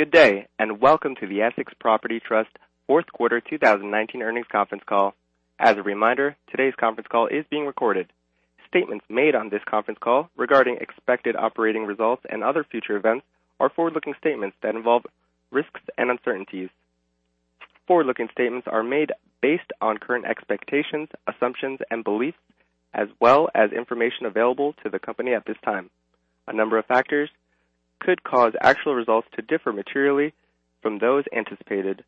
Good day, welcome to the Essex Property Trust Fourth Quarter 2019 Earnings Conference Call. As a reminder, today's conference call is being recorded. Statements made on this conference call regarding expected operating results and other future events are forward-looking statements that involve risks and uncertainties. Forward-looking statements are made based on current expectations, assumptions, and beliefs, as well as information available to the company at this time. A number of factors could cause actual results to differ materially from those anticipated.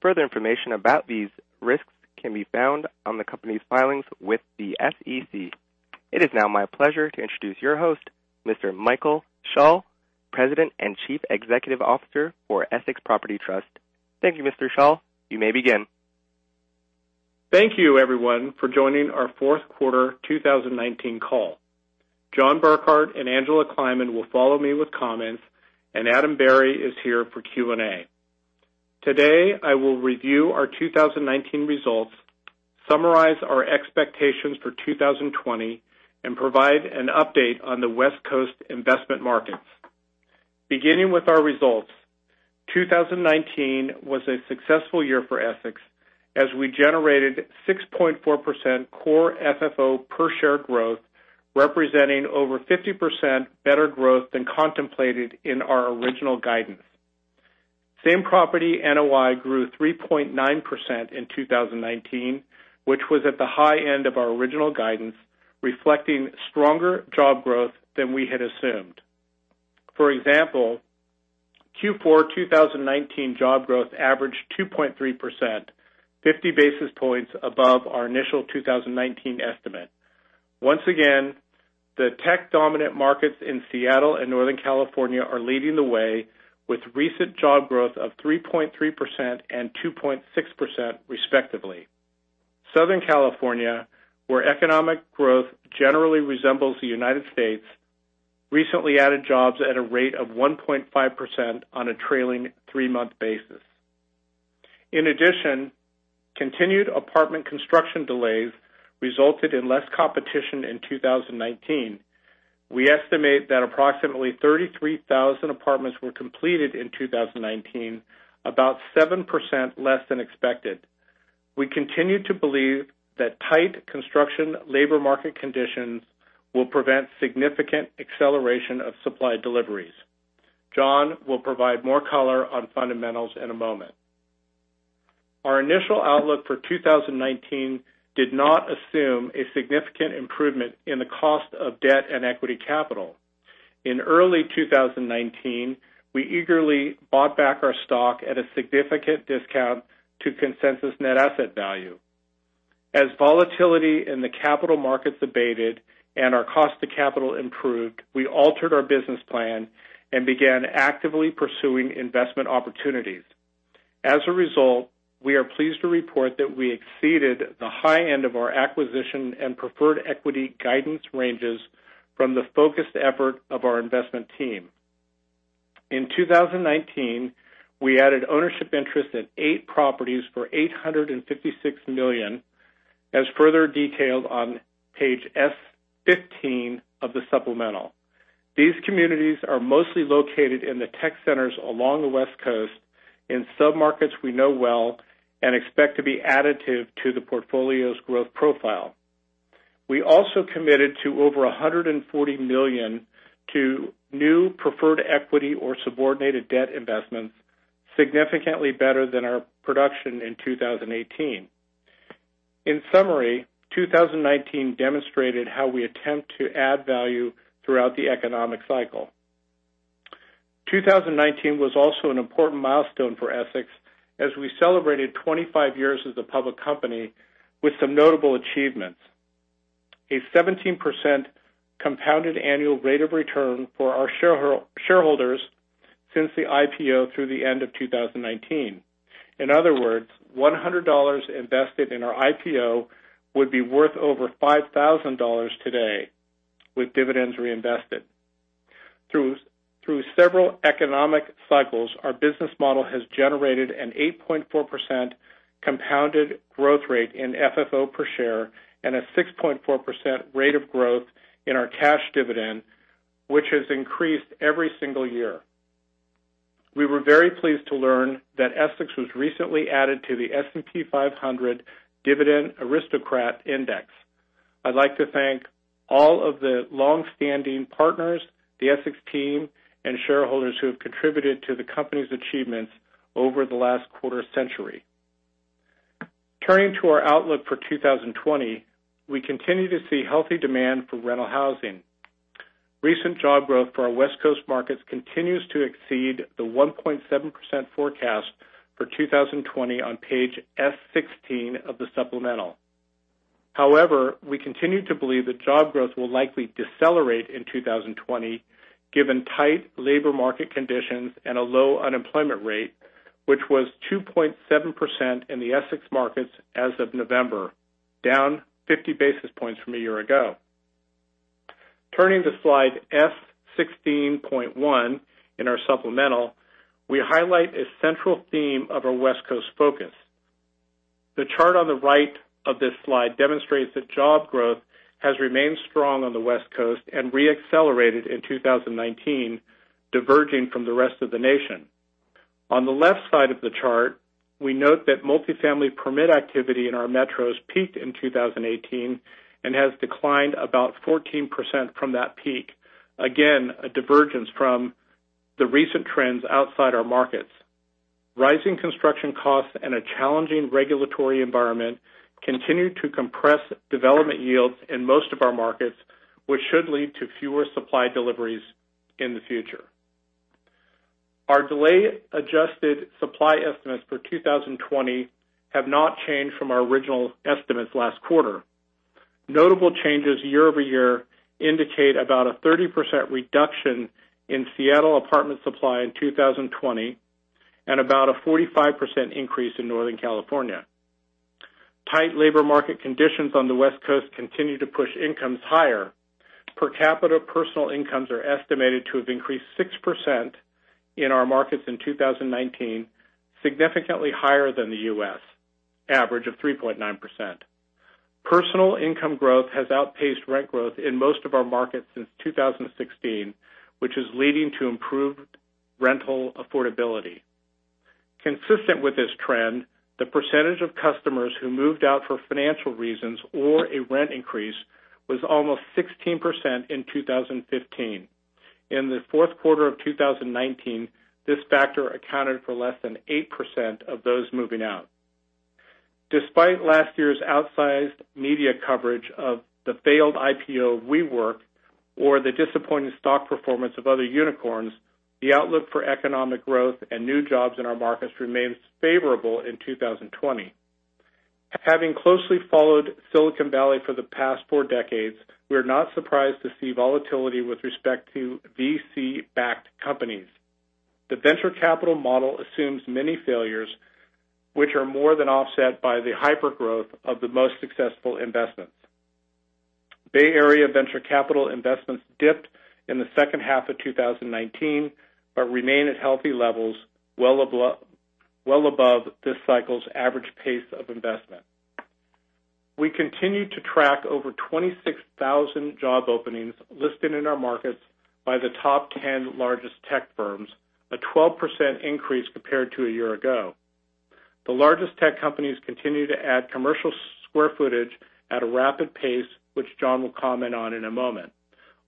Further information about these risks can be found on the company's filings with the SEC. It is now my pleasure to introduce your host, Mr. Michael Schall, President and Chief Executive Officer for Essex Property Trust. Thank you, Mr. Schall. You may begin. Thank you everyone for joining our Fourth Quarter 2019 Call. John Burkart and Angela Kleiman will follow me with comments, and Adam Berry is here for Q&A. Today, I will review our 2019 results, summarize our expectations for 2020, and provide an update on the West Coast investment markets. Beginning with our results, 2019 was a successful year for Essex as we generated 6.4% core FFO per share growth, representing over 50% better growth than contemplated in our original guidance. Same property NOI grew 3.9% in 2019, which was at the high end of our original guidance, reflecting stronger job growth than we had assumed. For example, Q4 2019 job growth averaged 2.3%, 50 basis points above our initial 2019 estimate. Once again, the tech-dominant markets in Seattle and Northern California are leading the way with recent job growth of 3.3% and 2.6% respectively. Southern California, where economic growth generally resembles the U.S., recently added jobs at a rate of 1.5% on a trailing three-month basis. In addition, continued apartment construction delays resulted in less competition in 2019. We estimate that approximately 33,000 apartments were completed in 2019, about 7% less than expected. We continue to believe that tight construction labor market conditions will prevent significant acceleration of supply deliveries. John will provide more color on fundamentals in a moment. Our initial outlook for 2019 did not assume a significant improvement in the cost of debt and equity capital. In early 2019, we eagerly bought back our stock at a significant discount to consensus net asset value. As volatility in the capital markets abated and our cost of capital improved, we altered our business plan and began actively pursuing investment opportunities. As a result, we are pleased to report that we exceeded the high end of our acquisition and preferred equity guidance ranges from the focused effort of our investment team. In 2019, we added ownership interest in eight properties for $856 million, as further detailed on page S15 of the supplemental. These communities are mostly located in the tech centers along the West Coast in sub-markets we know well and expect to be additive to the portfolio's growth profile. We also committed to over $140 million to new preferred equity or subordinated debt investments, significantly better than our production in 2018. In summary, 2019 demonstrated how we attempt to add value throughout the economic cycle. 2019 was also an important milestone for Essex as we celebrated 25 years as a public company with some notable achievements. A 17% compounded annual rate of return for our shareholders since the IPO through the end of 2019. In other words, $100 invested in our IPO would be worth over $5,000 today with dividends reinvested. Through several economic cycles, our business model has generated an 8.4% compounded growth rate in FFO per share and a 6.4% rate of growth in our cash dividend, which has increased every single year. We were very pleased to learn that Essex was recently added to the S&P 500 Dividend Aristocrats Index. I'd like to thank all of the longstanding partners, the Essex team, and shareholders who have contributed to the company's achievements over the last quarter-century. Turning to our outlook for 2020, we continue to see healthy demand for rental housing. Recent job growth for our West Coast markets continues to exceed the 1.7% forecast for 2020 on page S16 of the supplemental. We continue to believe that job growth will likely decelerate in 2020 given tight labor market conditions and a low unemployment rate, which was 2.7% in the Essex markets as of November, down 50 basis points from a year ago. Turning to slide S16.1 in our supplemental, we highlight a central theme of our West Coast focus. The chart on the right of this slide demonstrates that job growth has remained strong on the West Coast and re-accelerated in 2019, diverging from the rest of the nation. On the left side of the chart, we note that multifamily permit activity in our metros peaked in 2018 and has declined about 14% from that peak. Again, a divergence from the recent trends outside our markets. Rising construction costs and a challenging regulatory environment continue to compress development yields in most of our markets, which should lead to fewer supply deliveries in the future. Our delay-adjusted supply estimates for 2020 have not changed from our original estimates last quarter. Notable changes year-over-year indicate about a 30% reduction in Seattle apartment supply in 2020 and about a 45% increase in Northern California. Tight labor market conditions on the West Coast continue to push incomes higher. Per capita personal incomes are estimated to have increased 6% in our markets in 2019, significantly higher than the U.S. average of 3.9%. Personal income growth has outpaced rent growth in most of our markets since 2016, which is leading to improved rental affordability. Consistent with this trend, the percentage of customers who moved out for financial reasons or a rent increase was almost 16% in 2015. In the fourth quarter of 2019, this factor accounted for less than 8% of those moving out. Despite last year's outsized media coverage of the failed IPO WeWork or the disappointing stock performance of other unicorns, the outlook for economic growth and new jobs in our markets remains favorable in 2020. Having closely followed Silicon Valley for the past four decades, we are not surprised to see volatility with respect to VC-backed companies. The venture capital model assumes many failures, which are more than offset by the hypergrowth of the most successful investments. Bay Area venture capital investments dipped in the second half of 2019, but remain at healthy levels, well above this cycle's average pace of investment. We continue to track over 26,000 job openings listed in our markets by the top 10 largest tech firms, a 12% increase compared to a year ago. The largest tech companies continue to add commercial square footage at a rapid pace, which John will comment on in a moment.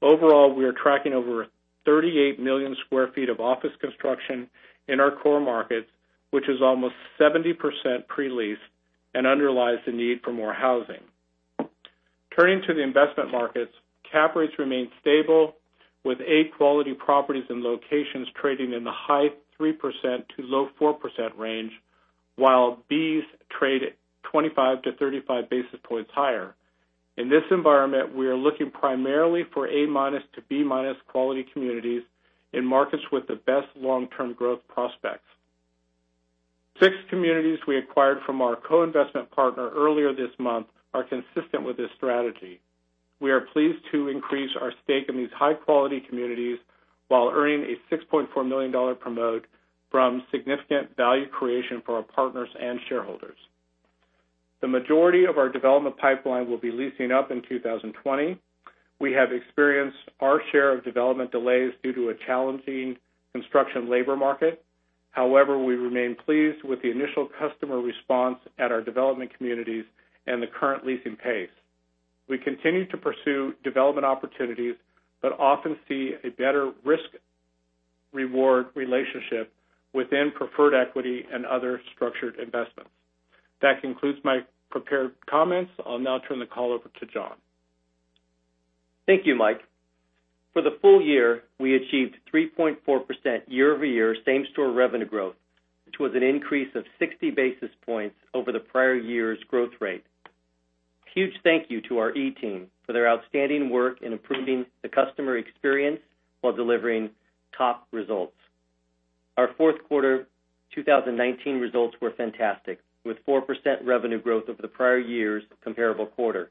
Overall, we are tracking over 38 million sq ft of office construction in our core markets, which is almost 70% pre-leased and underlies the need for more housing. Turning to the investment markets, cap rates remain stable, with A quality properties and locations trading in the high 3% to low 4% range, while Bs trade 25-35 basis points higher. In this environment, we are looking primarily for A- to B- quality communities in markets with the best long-term growth prospects. Six communities we acquired from our co-investment partner earlier this month are consistent with this strategy. We are pleased to increase our stake in these high-quality communities while earning a $6.4 million promote from significant value creation for our partners and shareholders. The majority of our development pipeline will be leasing up in 2020. We have experienced our share of development delays due to a challenging construction labor market. However, we remain pleased with the initial customer response at our development communities and the current leasing pace. We continue to pursue development opportunities but often see a better risk-reward relationship within preferred equity and other structured investments. That concludes my prepared comments. I'll now turn the call over to John. Thank you, Mike. For the full year, we achieved 3.4% year-over-year same-store revenue growth, which was an increase of 60 basis points over the prior year's growth rate. Huge thank you to our E team for their outstanding work in improving the customer experience while delivering top results. Our fourth quarter 2019 results were fantastic, with 4% revenue growth over the prior year's comparable quarter.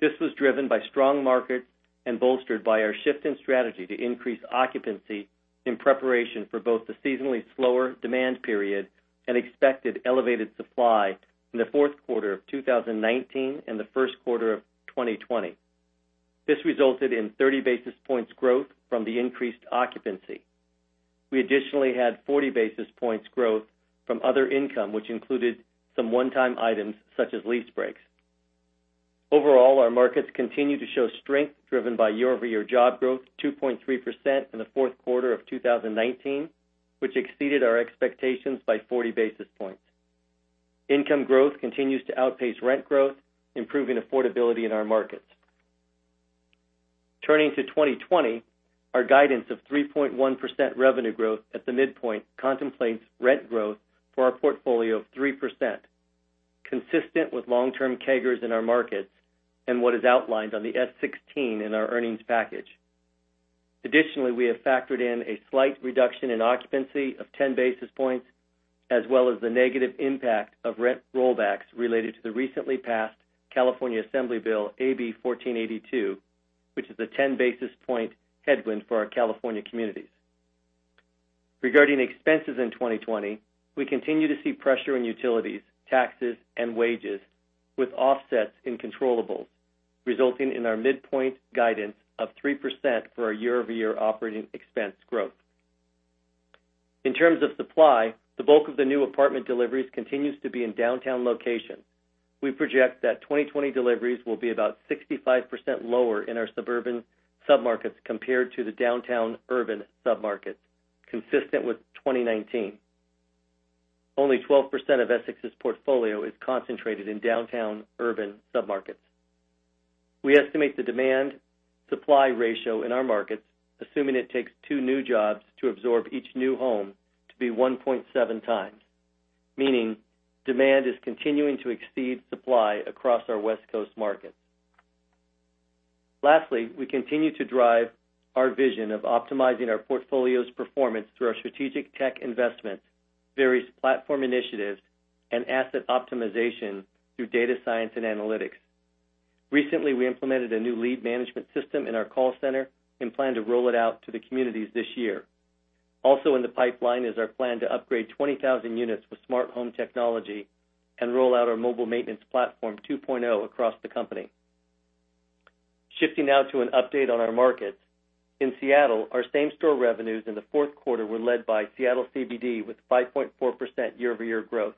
This was driven by strong markets and bolstered by our shift in strategy to increase occupancy in preparation for both the seasonally slower demand period and expected elevated supply in the fourth quarter of 2019 and the first quarter of 2020. This resulted in 30 basis points growth from the increased occupancy. We additionally had 40 basis points growth from other income, which included some one-time items such as lease breaks. Overall, our markets continue to show strength driven by year-over-year job growth, 2.3% in the fourth quarter of 2019, which exceeded our expectations by 40 basis points. Income growth continues to outpace rent growth, improving affordability in our markets. Turning to 2020, our guidance of 3.1% revenue growth at the midpoint contemplates rent growth for our portfolio of 3%, consistent with long-term CAGRs in our markets and what is outlined on the S16 in our earnings package. Additionally, we have factored in a slight reduction in occupancy of 10 basis points, as well as the negative impact of rent rollbacks related to the recently passed California Assembly Bill AB 1482, which is a 10 basis point headwind for our California communities. Regarding expenses in 2020, we continue to see pressure in utilities, taxes, and wages with offsets in controllables, resulting in our midpoint guidance of 3% for our year-over-year operating expense growth. In terms of supply, the bulk of the new apartment deliveries continues to be in downtown locations. We project that 2020 deliveries will be about 65% lower in our suburban submarkets compared to the downtown urban submarkets, consistent with 2019. Only 12% of Essex's portfolio is concentrated in downtown urban submarkets. We estimate the demand-supply ratio in our markets, assuming it takes two new jobs to absorb each new home, to be 1.7 times, meaning demand is continuing to exceed supply across our West Coast markets. Lastly, we continue to drive our vision of optimizing our portfolio's performance through our strategic tech investments, various platform initiatives, and asset optimization through data science and analytics. Recently, we implemented a new lead management system in our call center and plan to roll it out to the communities this year. Also in the pipeline is our plan to upgrade 20,000 units with smart home technology and roll out our mobile maintenance platform 2.0 across the company. Shifting now to an update on our markets. In Seattle, our same-store revenues in the fourth quarter were led by Seattle CBD with 5.4% year-over-year growth,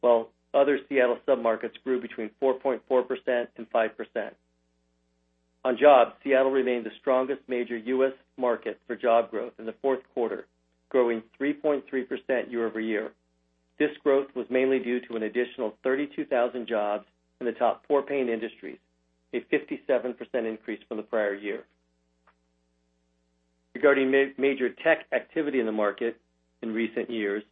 while other Seattle submarkets grew between 4.4% and 5%. On jobs, Seattle remained the strongest major U.S. market for job growth in the fourth quarter, growing 3.3% year-over-year. This growth was mainly due to an additional 32,000 jobs in the top four paying industries, a 57% increase from the prior year. Regarding major tech activity in the market in recent years,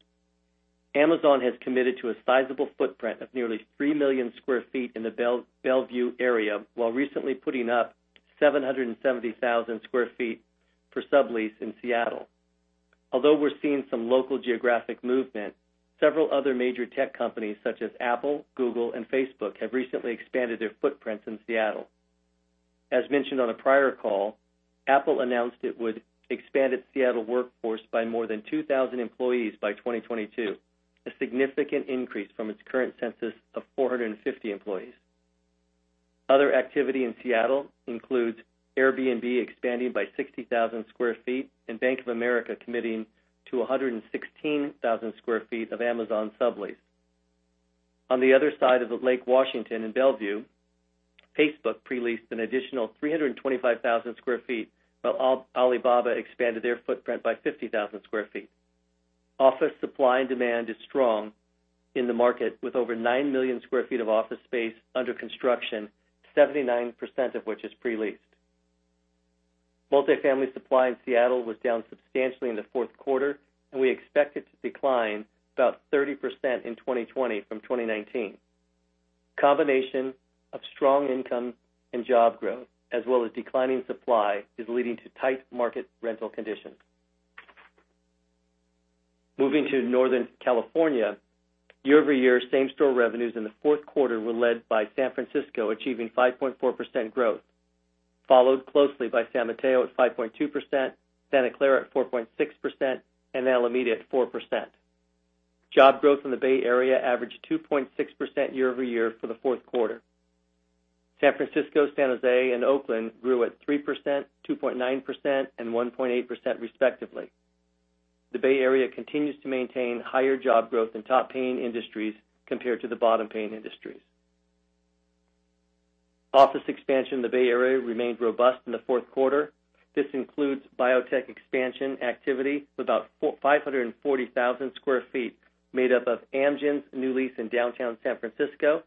Amazon has committed to a sizable footprint of nearly 3 million sq ft in the Bellevue area, while recently putting up 770,000 sq ft for sublease in Seattle. Although we're seeing some local geographic movement, several other major tech companies such as Apple, Google, and Facebook have recently expanded their footprints in Seattle. As mentioned on a prior call, Apple announced it would expand its Seattle workforce by more than 2,000 employees by 2022, a significant increase from its current census of 450 employees. Other activity in Seattle includes Airbnb expanding by 60,000 sq ft and Bank of America committing to 116,000 sq ft of Amazon sublease. On the other side of Lake Washington in Bellevue, Facebook pre-leased an additional 325,000 sq ft, while Alibaba expanded their footprint by 50,000 sq ft. Office supply and demand is strong in the market, with over 9 million sq ft of office space under construction, 79% of which is pre-leased. Multifamily supply in Seattle was down substantially in the fourth quarter, and we expect it to decline about 30% in 2020 from 2019. Combination of strong income and job growth as well as declining supply is leading to tight market rental conditions. Moving to Northern California. Year-over-year same-store revenues in the fourth quarter were led by San Francisco achieving 5.4% growth, followed closely by San Mateo at 5.2%, Santa Clara at 4.6%, and Alameda at 4%. Job growth in the Bay Area averaged 2.6% year-over-year for the fourth quarter. San Francisco, San Jose, and Oakland grew at 3%, 2.9%, and 1.8%, respectively. The Bay Area continues to maintain higher job growth in top-paying industries compared to the bottom-paying industries. Office expansion in the Bay Area remained robust in the fourth quarter. This includes biotech expansion activity with about 540,000 sq ft made up of Amgen's new lease in downtown San Francisco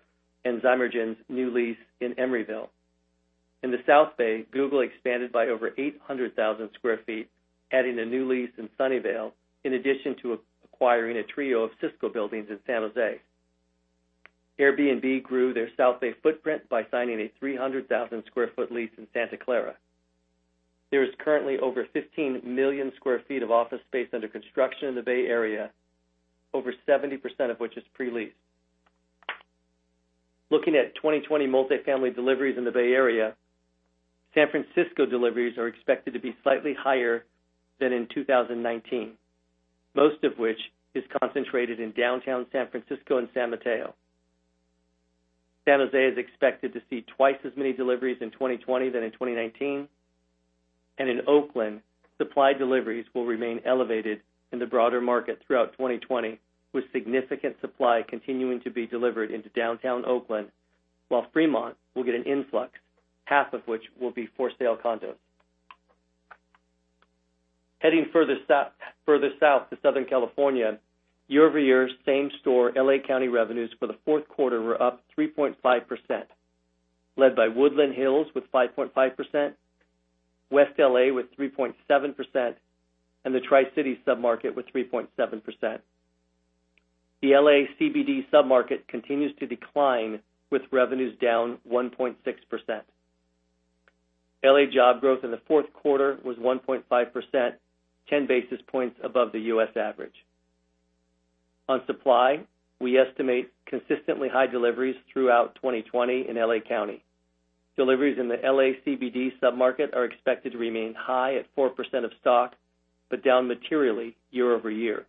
and Zymergen's new lease in Emeryville. In the South Bay, Google expanded by over 800,000 sq ft, adding a new lease in Sunnyvale, in addition to acquiring a trio of Cisco buildings in San Jose. Airbnb grew their South Bay footprint by signing a 300,000 sq ft lease in Santa Clara. There is currently over 15 million sq ft of office space under construction in the Bay Area, over 70% of which is pre-leased. Looking at 2020 multifamily deliveries in the Bay Area, San Francisco deliveries are expected to be slightly higher than in 2019, most of which is concentrated in downtown San Francisco and San Mateo. San Jose is expected to see twice as many deliveries in 2020 than in 2019. In Oakland, supply deliveries will remain elevated in the broader market throughout 2020, with significant supply continuing to be delivered into downtown Oakland, while Fremont will get an influx, half of which will be for-sale condos. Heading further south to Southern California. Year-over-year same-store L.A. County revenues for the fourth quarter were up 3.5%, led by Woodland Hills with 5.5%, West L.A. with 3.7%, and the Tri-City submarket with 3.7%. The L.A. CBD submarket continues to decline, with revenues down 1.6%. L.A. job growth in the fourth quarter was 1.5%, 10 basis points above the U.S. average. On supply, we estimate consistently high deliveries throughout 2020 in L.A. County. Deliveries in the L.A. CBD sub-market are expected to remain high at 4% of stock, but down materially year-over-year.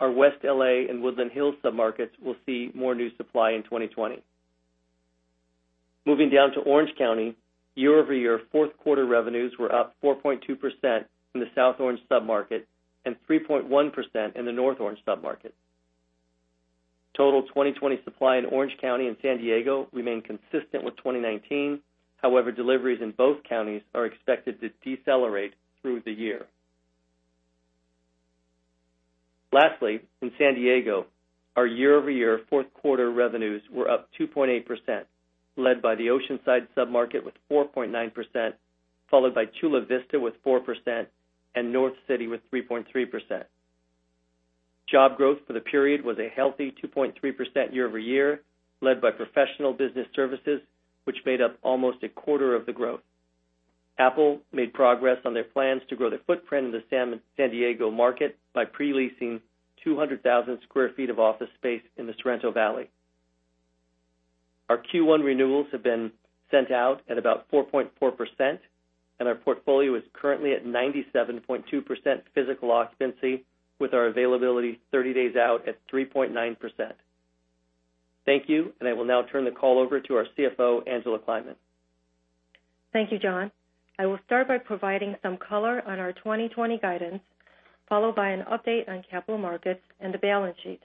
Our West L.A. and Woodland Hills sub-markets will see more new supply in 2020. Moving down to Orange County, year-over-year, fourth quarter revenues were up 4.2% in the South Orange sub-market and 3.1% in the North Orange sub-market. Total 2020 supply in Orange County and San Diego remain consistent with 2019. However, deliveries in both counties are expected to decelerate through the year. Lastly, in San Diego, our year-over-year fourth quarter revenues were up 2.8%, led by the Oceanside sub-market with 4.9%, followed by Chula Vista with 4% and North City with 3.3%. Job growth for the period was a healthy 2.3% year-over-year, led by professional business services, which made up almost a quarter of the growth. Apple made progress on their plans to grow their footprint in the San Diego market by pre-leasing 200,000 sq ft of office space in the Sorrento Valley. Our Q1 renewals have been sent out at about 4.4%, and our portfolio is currently at 97.2% physical occupancy, with our availability 30 days out at 3.9%. Thank you, and I will now turn the call over to our CFO, Angela Kleiman. Thank you, John. I will start by providing some color on our 2020 guidance, followed by an update on capital markets and the balance sheet.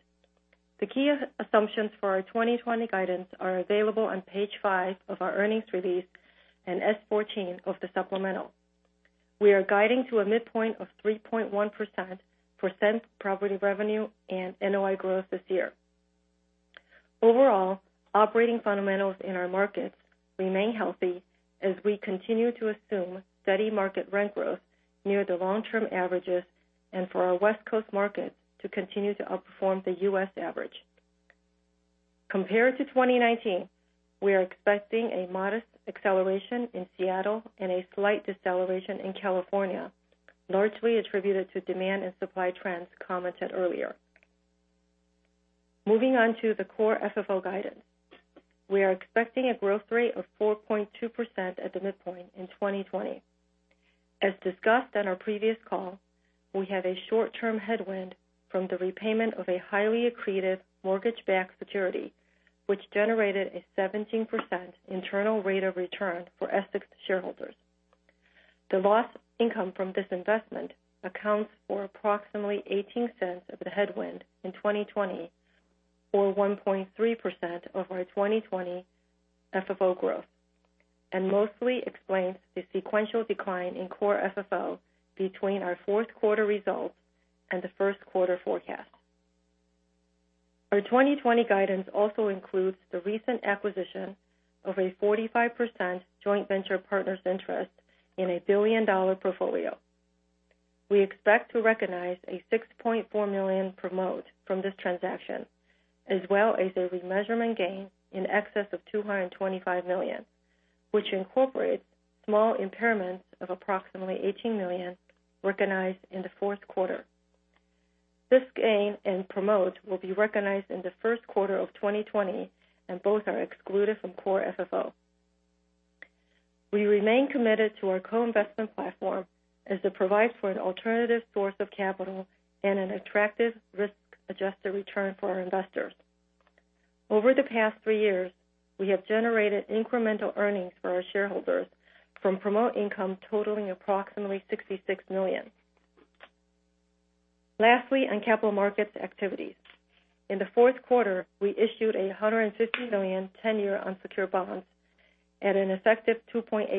The key assumptions for our 2020 guidance are available on page five of our earnings release and S14 of the supplemental. We are guiding to a midpoint of 3.1% property revenue and NOI growth this year. Overall, operating fundamentals in our markets remain healthy as we continue to assume steady market rent growth near the long-term averages and for our West Coast markets to continue to outperform the U.S. average. Compared to 2019, we are expecting a modest acceleration in Seattle and a slight deceleration in California, largely attributed to demand and supply trends commented earlier. Moving on to the core FFO guidance. We are expecting a growth rate of 4.2% at the midpoint in 2020. As discussed on our previous call, we have a short-term headwind from the repayment of a highly accretive mortgage-backed security, which generated a 17% internal rate of return for Essex shareholders. The lost income from this investment accounts for approximately $0.18 of the headwind in 2020 or 1.3% of our 2020 FFO growth, and mostly explains the sequential decline in core FFO between our fourth quarter results and the first quarter forecast. Our 2020 guidance also includes the recent acquisition of a 45% joint venture partner's interest in a billion-dollar portfolio. We expect to recognize a $6.4 million promote from this transaction, as well as a remeasurement gain in excess of $225 million, which incorporates small impairments of approximately $18 million recognized in the fourth quarter. This gain and promote will be recognized in the first quarter of 2020, and both are excluded from core FFO. We remain committed to our co-investment platform, as it provides for an alternative source of capital and an attractive risk-adjusted return for our investors. Over the past three years, we have generated incremental earnings for our shareholders from promote income totaling approximately $66 million. On capital markets activities. In the fourth quarter, we issued a $150 million 10-year unsecured bonds at an effective 2.8%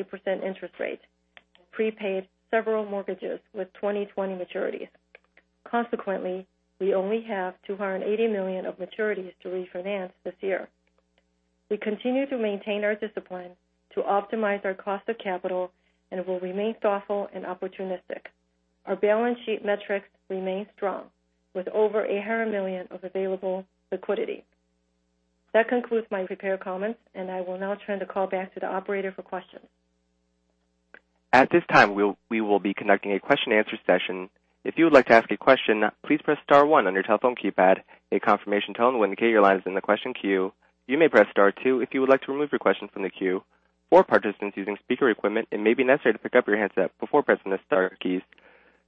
interest rate, prepaid several mortgages with 2020 maturities. We only have $280 million of maturities to refinance this year. We continue to maintain our discipline to optimize our cost of capital and will remain thoughtful and opportunistic. Our balance sheet metrics remain strong with over $800 million of available liquidity. That concludes my prepared comments, and I will now turn the call back to the operator for questions. At this time, we will be conducting a question and answer session. If you would like to ask a question, please press star one on your telephone keypad. A confirmation tone will indicate your line is in the question queue. You may press star two if you would like to remove your question from the queue. For participants using speaker equipment, it may be necessary to pick up your handset before pressing the star keys.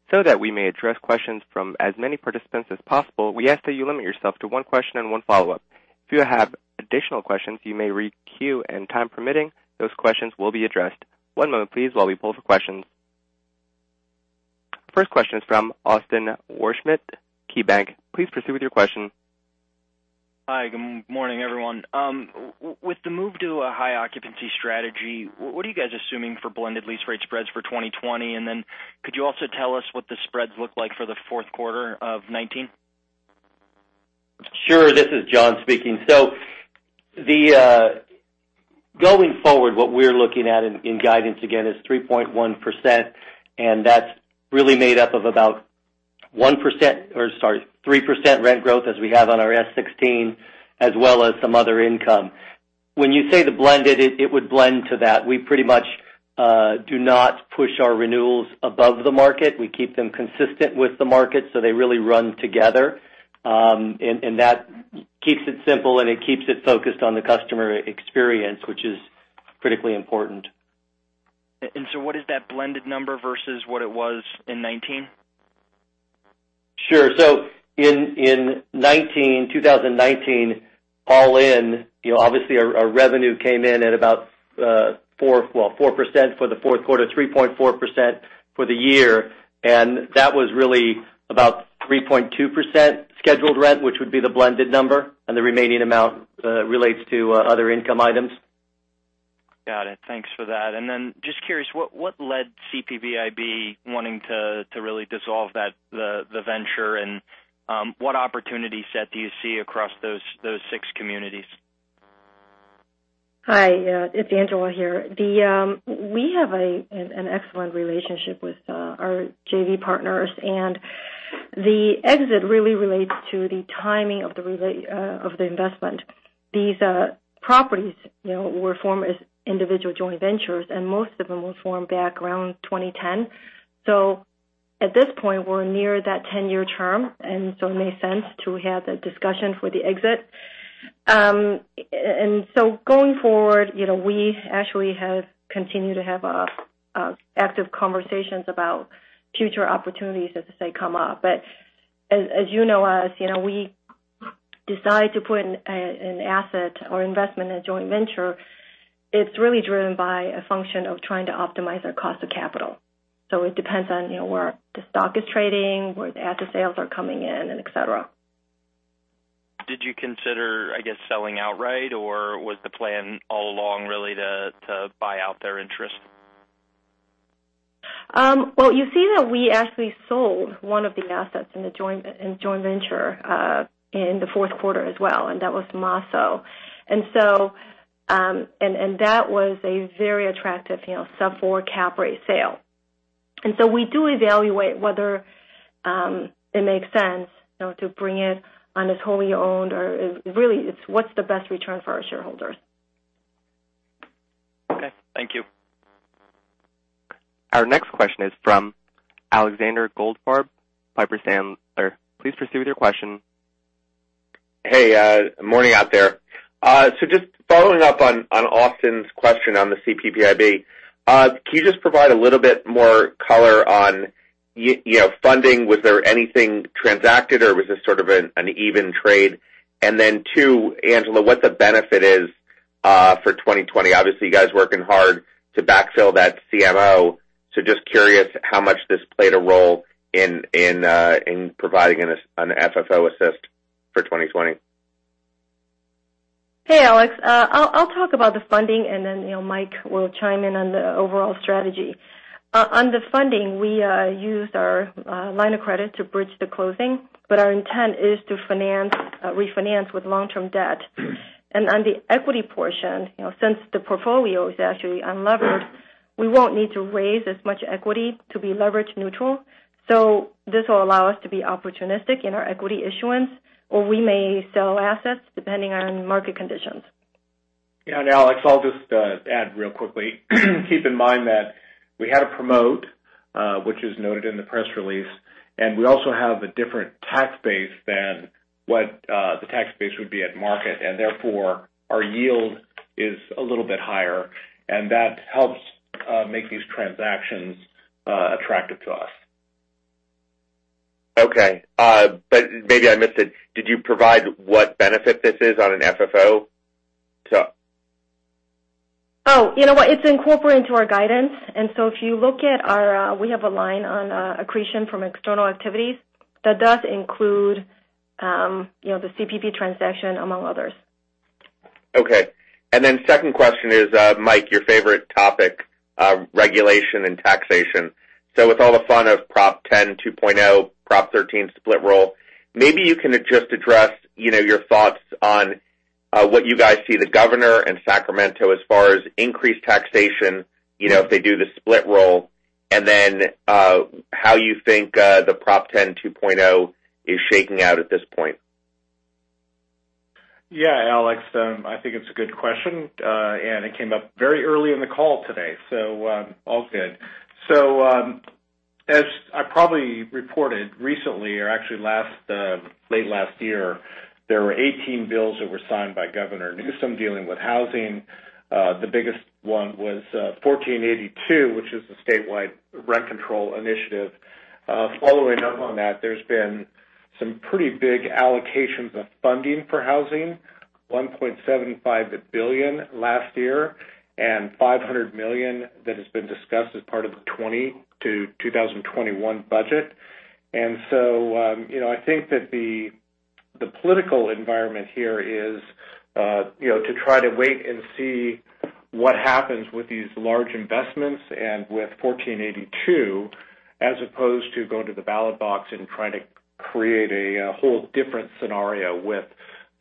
That we may address questions from as many participants as possible, we ask that you limit yourself to one question and one follow-up. If you have additional questions, you may re-queue, and time permitting, those questions will be addressed. One moment please while we pull for questions. First question is from Austin Wurschmidt, KeyBanc. Please proceed with your question. Hi, good morning, everyone. With the move to a high occupancy strategy, what are you guys assuming for blended lease rate spreads for 2020? Could you also tell us what the spreads look like for the fourth quarter of 2019? Sure. This is John speaking. Going forward, what we're looking at in guidance again is 3.1%, and that's really made up of about 3% rent growth as we have on our S16, as well as some other income. When you say the blended, it would blend to that. We pretty much do not push our renewals above the market. We keep them consistent with the market, so they really run together. That keeps it simple, and it keeps it focused on the customer experience, which is critically important. What is that blended number versus what it was in 2019? Sure. In 2019, all in, obviously our revenue came in at about 4% for the fourth quarter, 3.4% for the year. That was really about 3.2% scheduled rent, which would be the blended number. The remaining amount relates to other income items. Got it. Thanks for that. Just curious, what led CPPIB wanting to really dissolve the venture, and what opportunity set do you see across those six communities? Hi, it's Angela here. We have an excellent relationship with our JV partners, and the exit really relates to the timing of the investment. These properties were formed as individual joint ventures, and most of them were formed back around 2010. At this point, we're near that 10-year term, it made sense to have the discussion for the exit. Going forward, we actually have continued to have active conversations about future opportunities as they come up. As you know us, we decide to put an asset or investment in a joint venture. It's really driven by a function of trying to optimize our cost of capital. It depends on where the stock is trading, where the asset sales are coming in, and et cetera. Did you consider, I guess, selling outright, or was the plan all along really to buy out their interest? Well, you see that we actually sold one of the assets in joint venture in the fourth quarter as well, and that was Mosso. That was a very attractive sub-4 cap rate sale. We do evaluate whether it makes sense to bring it on as wholly owned, or really, it's what's the best return for our shareholders. Okay. Thank you. Our next question is from Alexander Goldfarb, Piper Sandler. Please proceed with your question. Hey, morning out there. Just following up on Austin's question on the CPPIB, can you just provide a little bit more color on funding? Was there anything transacted, or was this sort of an even trade? Then two, Angela, what the benefit is for 2020? Obviously, you guys are working hard to backfill that CMO, so just curious how much this played a role in providing an FFO assist for 2020? Hey, Alex. I'll talk about the funding. Mike will chime in on the overall strategy. On the funding, we used our line of credit to bridge the closing. Our intent is to refinance with long-term debt. On the equity portion, since the portfolio is actually unlevered, we won't need to raise as much equity to be leverage neutral. This will allow us to be opportunistic in our equity issuance, or we may sell assets depending on market conditions. Yeah. Alex, I'll just add real quickly. Keep in mind that we had a promote, which is noted in the press release, and we also have a different tax base than what the tax base would be at market, and therefore, our yield is a little bit higher, and that helps make these transactions attractive to us. Okay. Maybe I missed it. Did you provide what benefit this is on an FFO? Oh, you know what? It's incorporated into our guidance. We have a line on accretion from external activities. That does include the CPP transaction, among others. Okay. Second question is, Mike, your favorite topic, regulation and taxation. With all the fun of Rental Affordability Act, Proposition 13 split roll, maybe you can just address your thoughts on what you guys see the Governor and Sacramento as far as increased taxation, if they do the split roll, and then how you think the Rental Affordability Act is shaking out at this point. Alex. I think it's a good question. It came up very early in the call today, so all's good. As I probably reported recently, or actually late last year, there were 18 bills that were signed by Governor Newsom dealing with housing. The biggest one was 1482, which is the statewide rent control initiative. Following up on that, there's been some pretty big allocations of funding for housing, $1.75 billion last year and $500 million that has been discussed as part of the 2020 to 2021 budget. I think that the political environment here is to try to wait and see what happens with these large investments and with 1482, as opposed to going to the ballot box and trying to create a whole different scenario with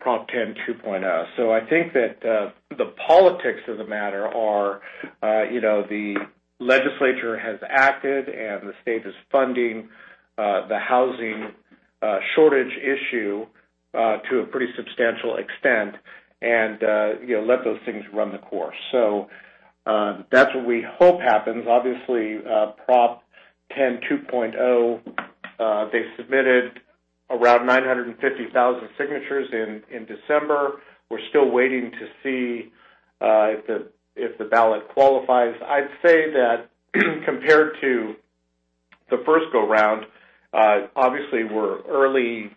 Rental Affordability Act. I think that the politics of the matter are the legislature has acted, and the state is funding the housing shortage issue to a pretty substantial extent and let those things run the course. That's what we hope happens. Obviously, Rental Affordability Act, they submitted around 950,000 signatures in December. We're still waiting to see if the ballot qualifies. I'd say that compared to the first go-round, obviously we're early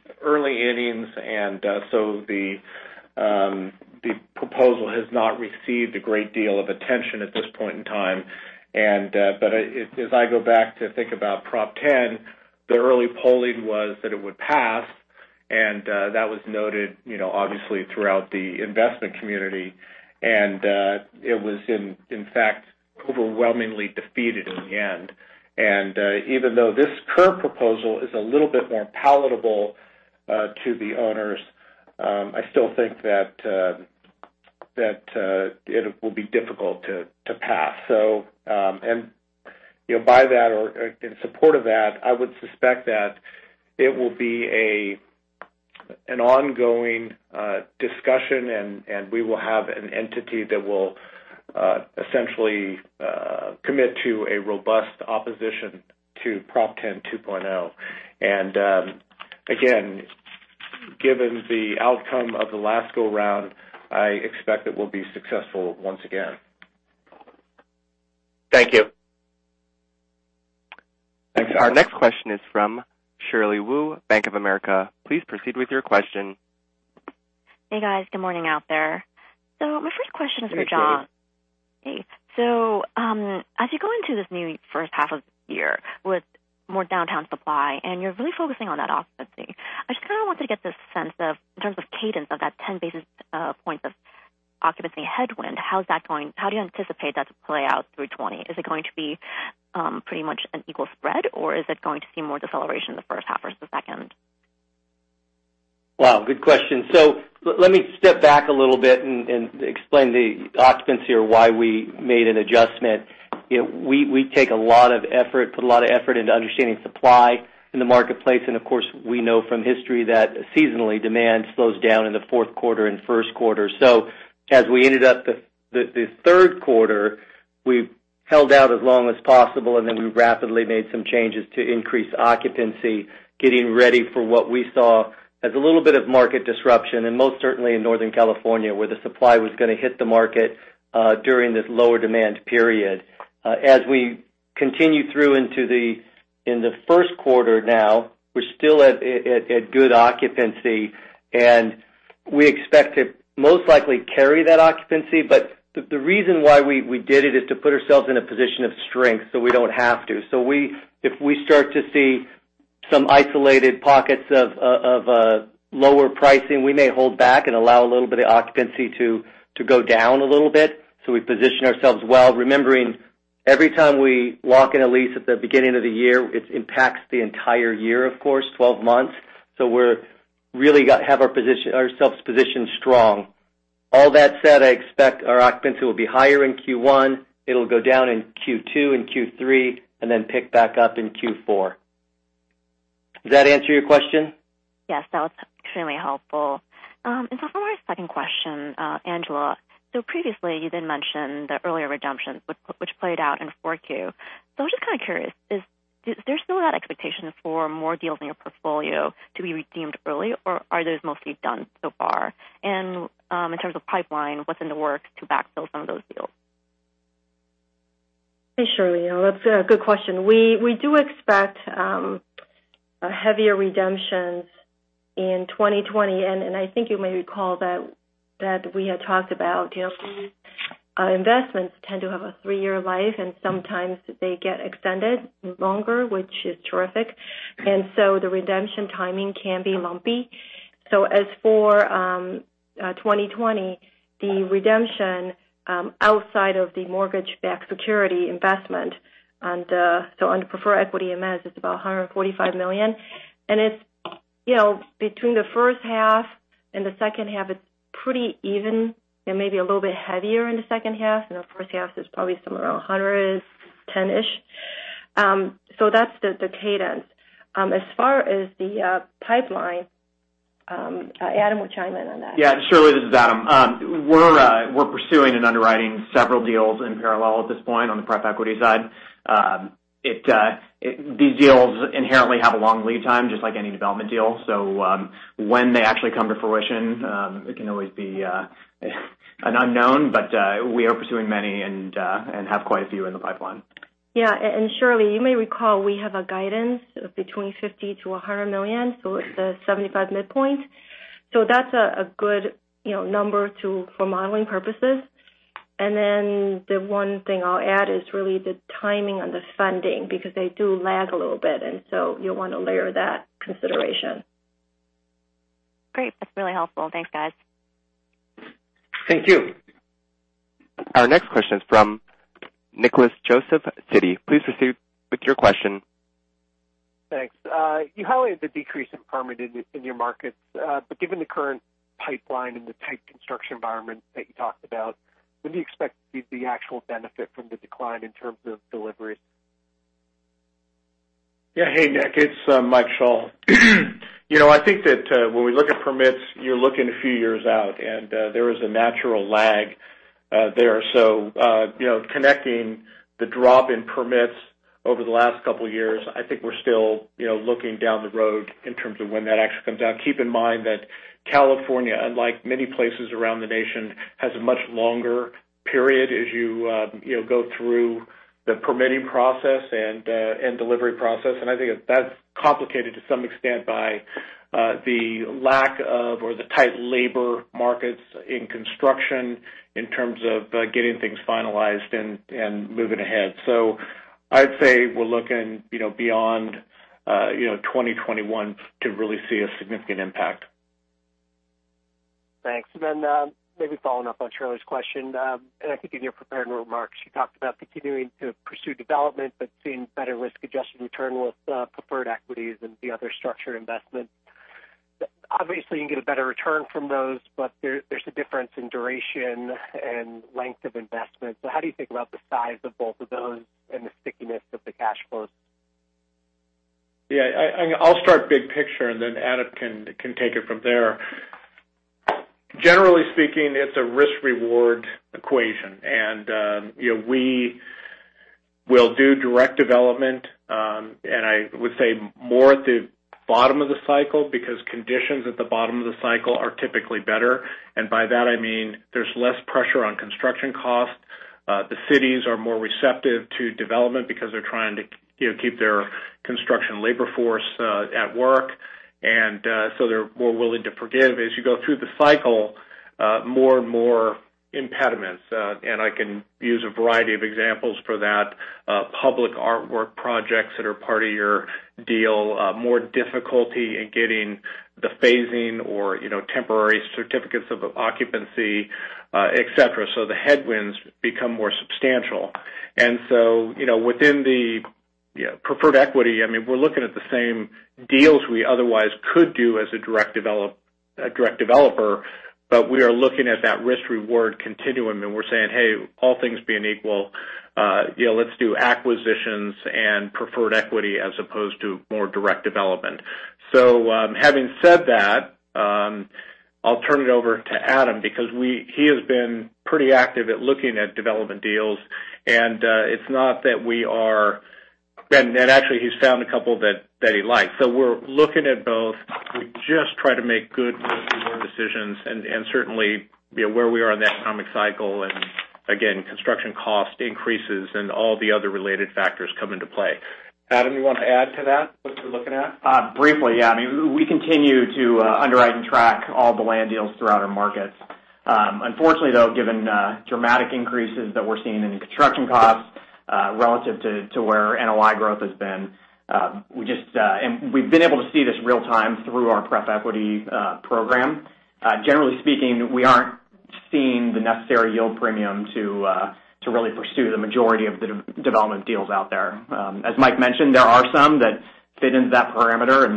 innings, and so the proposal has not received a great deal of attention at this point in time. As I go back to think about Proposition 10, the early polling was that it would pass, and that was noted, obviously, throughout the investment community. It was in fact overwhelmingly defeated in the end. Even though this current proposal is a little bit more palatable to the owners, I still think that it will be difficult to pass. In support of that, I would suspect that it will be an ongoing discussion, and we will have an entity that will essentially commit to a robust opposition to Rental Affordability Act. Again, given the outcome of the last go-round, I expect it will be successful once again. Thank you. Our next question is from Shirley Wu, Bank of America. Please proceed with your question. Hey, guys. Good morning out there. My first question is for John. Hey, Shirley. Hey. As you go into this new first half of the year with more downtown supply, and you're really focusing on that occupancy, I just kind of wanted to get the sense of, in terms of cadence of that 10 basis points of occupancy headwind, how's that going? How do you anticipate that to play out through 2020? Is it going to be pretty much an equal spread, or is it going to see more deceleration in the first half versus the second? Wow, good question. Let me step back a little bit and explain the occupancy or why we made an adjustment. We take a lot of effort, put a lot of effort into understanding supply in the marketplace. Of course, we know from history that seasonally, demand slows down in the fourth quarter and first quarter. As we ended up the third quarter, we held out as long as possible, and then we rapidly made some changes to increase occupancy, getting ready for what we saw as a little bit of market disruption, and most certainly in Northern California, where the supply was going to hit the market during this lower demand period. As we continue through in the first quarter now, we're still at good occupancy, and we expect to most likely carry that occupancy. The reason why we did it is to put ourselves in a position of strength so we don't have to. If we start to see some isolated pockets of lower pricing, we may hold back and allow a little bit of occupancy to go down a little bit so we position ourselves well, remembering every time we lock in a lease at the beginning of the year, it impacts the entire year, of course, 12 months. We're really got to have ourselves positioned strong. All that said, I expect our occupancy will be higher in Q1. It'll go down in Q2 and Q3, and then pick back up in Q4. Does that answer your question? Yes. That was extremely helpful. For my second question, Angela, previously you did mention the earlier redemptions, which played out in 4Q. I'm just kind of curious, is there still that expectation for more deals in your portfolio to be redeemed early, or are those mostly done so far? In terms of pipeline, what's in the works to backfill some of those deals? Hey, Shirley. That's a good question. We do expect heavier redemptions in 2020, and I think you may recall that we had talked about investments tend to have a three-year life, and sometimes they get extended longer, which is terrific. The redemption timing can be lumpy. As for 2020, the redemption outside of the mortgage-backed security investment, on preferred equity MS, it's about $145 million. Between the first half and the second half, it's pretty even and maybe a little bit heavier in the second half. The first half is probably somewhere around $110-ish. That's the cadence. As far as the pipeline, Adam will chime in on that. Yeah. Shirley, this is Adam. We're pursuing and underwriting several deals in parallel at this point on the pref equity side. These deals inherently have a long lead time, just like any development deal. When they actually come to fruition, it can always be an unknown, but we are pursuing many and have quite a few in the pipeline. Yeah. Shirley, you may recall we have a guidance of between $50 million-$100 million, so it's a 75 midpoint. The one thing I'll add is really the timing on the funding, because they do lag a little bit, and so you'll want to layer that consideration. Great. That's really helpful. Thanks, guys. Thank you. Our next question is from Nicholas Joseph, Citi. Please proceed with your question. Thanks. You highlighted the decrease in permitting in your markets. Given the current pipeline and the tight construction environment that you talked about, when do you expect to see the actual benefit from the decline in terms of delivery? Yeah. Hey, Nick, it's Mike Schall. I think that when we look at permits, you're looking a few years out, and there is a natural lag there. Connecting the drop in permits over the last couple of years, I think we're still looking down the road in terms of when that actually comes out. Keep in mind that California, unlike many places around the nation, has a much longer period as you go through the permitting process and delivery process. I think that's complicated to some extent by the tight labor markets in construction in terms of getting things finalized and moving ahead. I'd say we're looking beyond 2021 to really see a significant impact. Thanks. Maybe following up on Charlie's question, I think in your prepared remarks, you talked about continuing to pursue development but seeing better risk-adjusted return with preferred equities and the other structured investments. Obviously, you can get a better return from those, there's a difference in duration and length of investment. How do you think about the size of both of those and the stickiness of the cash flows? I'll start big picture, then Adam can take it from there. Generally speaking, it's a risk-reward equation. We will do direct development, and I would say more at the bottom of the cycle, because conditions at the bottom of the cycle are typically better. By that I mean there's less pressure on construction costs. The cities are more receptive to development because they're trying to keep their construction labor force at work. They're more willing to forgive. As you go through the cycle, more and more impediments. I can use a variety of examples for that. Public artwork projects that are part of your deal, more difficulty in getting the phasing or temporary certificates of occupancy, et cetera. The headwinds become more substantial. Within the preferred equity, we're looking at the same deals we otherwise could do as a direct developer, but we are looking at that risk-reward continuum, and we're saying, "Hey, all things being equal, let's do acquisitions and preferred equity as opposed to more direct development." Having said that, I'll turn it over to Adam, because he has been pretty active at looking at development deals. It's not that we are-- Actually, he's found a couple that he likes. We're looking at both. We just try to make good risk-reward decisions and certainly where we are in the economic cycle and again, construction cost increases and all the other related factors come into play. Adam, you want to add to that, what you're looking at? Briefly, yeah. We continue to underwrite and track all the land deals throughout our markets. Unfortunately, though, given dramatic increases that we're seeing in construction costs relative to where NOI growth has been, we've been able to see this real-time through our preferred equity program. Generally speaking, we aren't seeing the necessary yield premium to really pursue the majority of the development deals out there. As Mike mentioned, there are some that fit into that parameter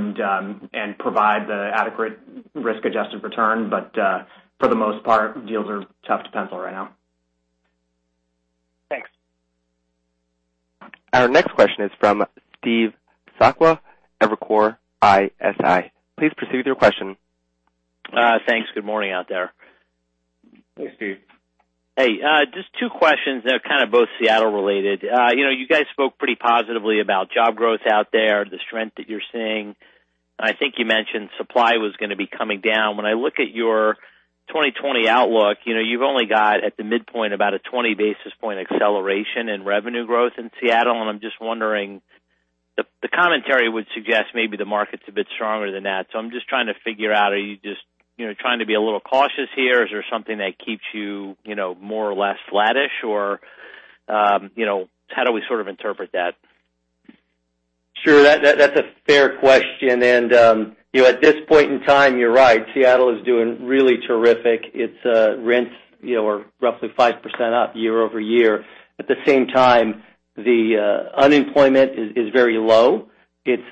and provide the adequate risk-adjusted return. For the most part, deals are tough to pencil right now. Thanks. Our next question is from Steve Sakwa, Evercore ISI. Please proceed with your question. Thanks. Good morning out there. Hey, Steve. Hey. Just two questions, they're kind of both Seattle related. You guys spoke pretty positively about job growth out there, the strength that you're seeing. I think you mentioned supply was going to be coming down. When I look at your 2020 outlook, you've only got at the midpoint about a 20-basis-point acceleration in revenue growth in Seattle. I'm just wondering, the commentary would suggest maybe the market's a bit stronger than that. I'm just trying to figure out, are you just trying to be a little cautious here? Is there something that keeps you more or less flattish, or how do we sort of interpret that? Sure, that's a fair question. At this point in time, you're right. Seattle is doing really terrific. Its rents are roughly 5% up year-over-year. At the same time, the unemployment is very low. It's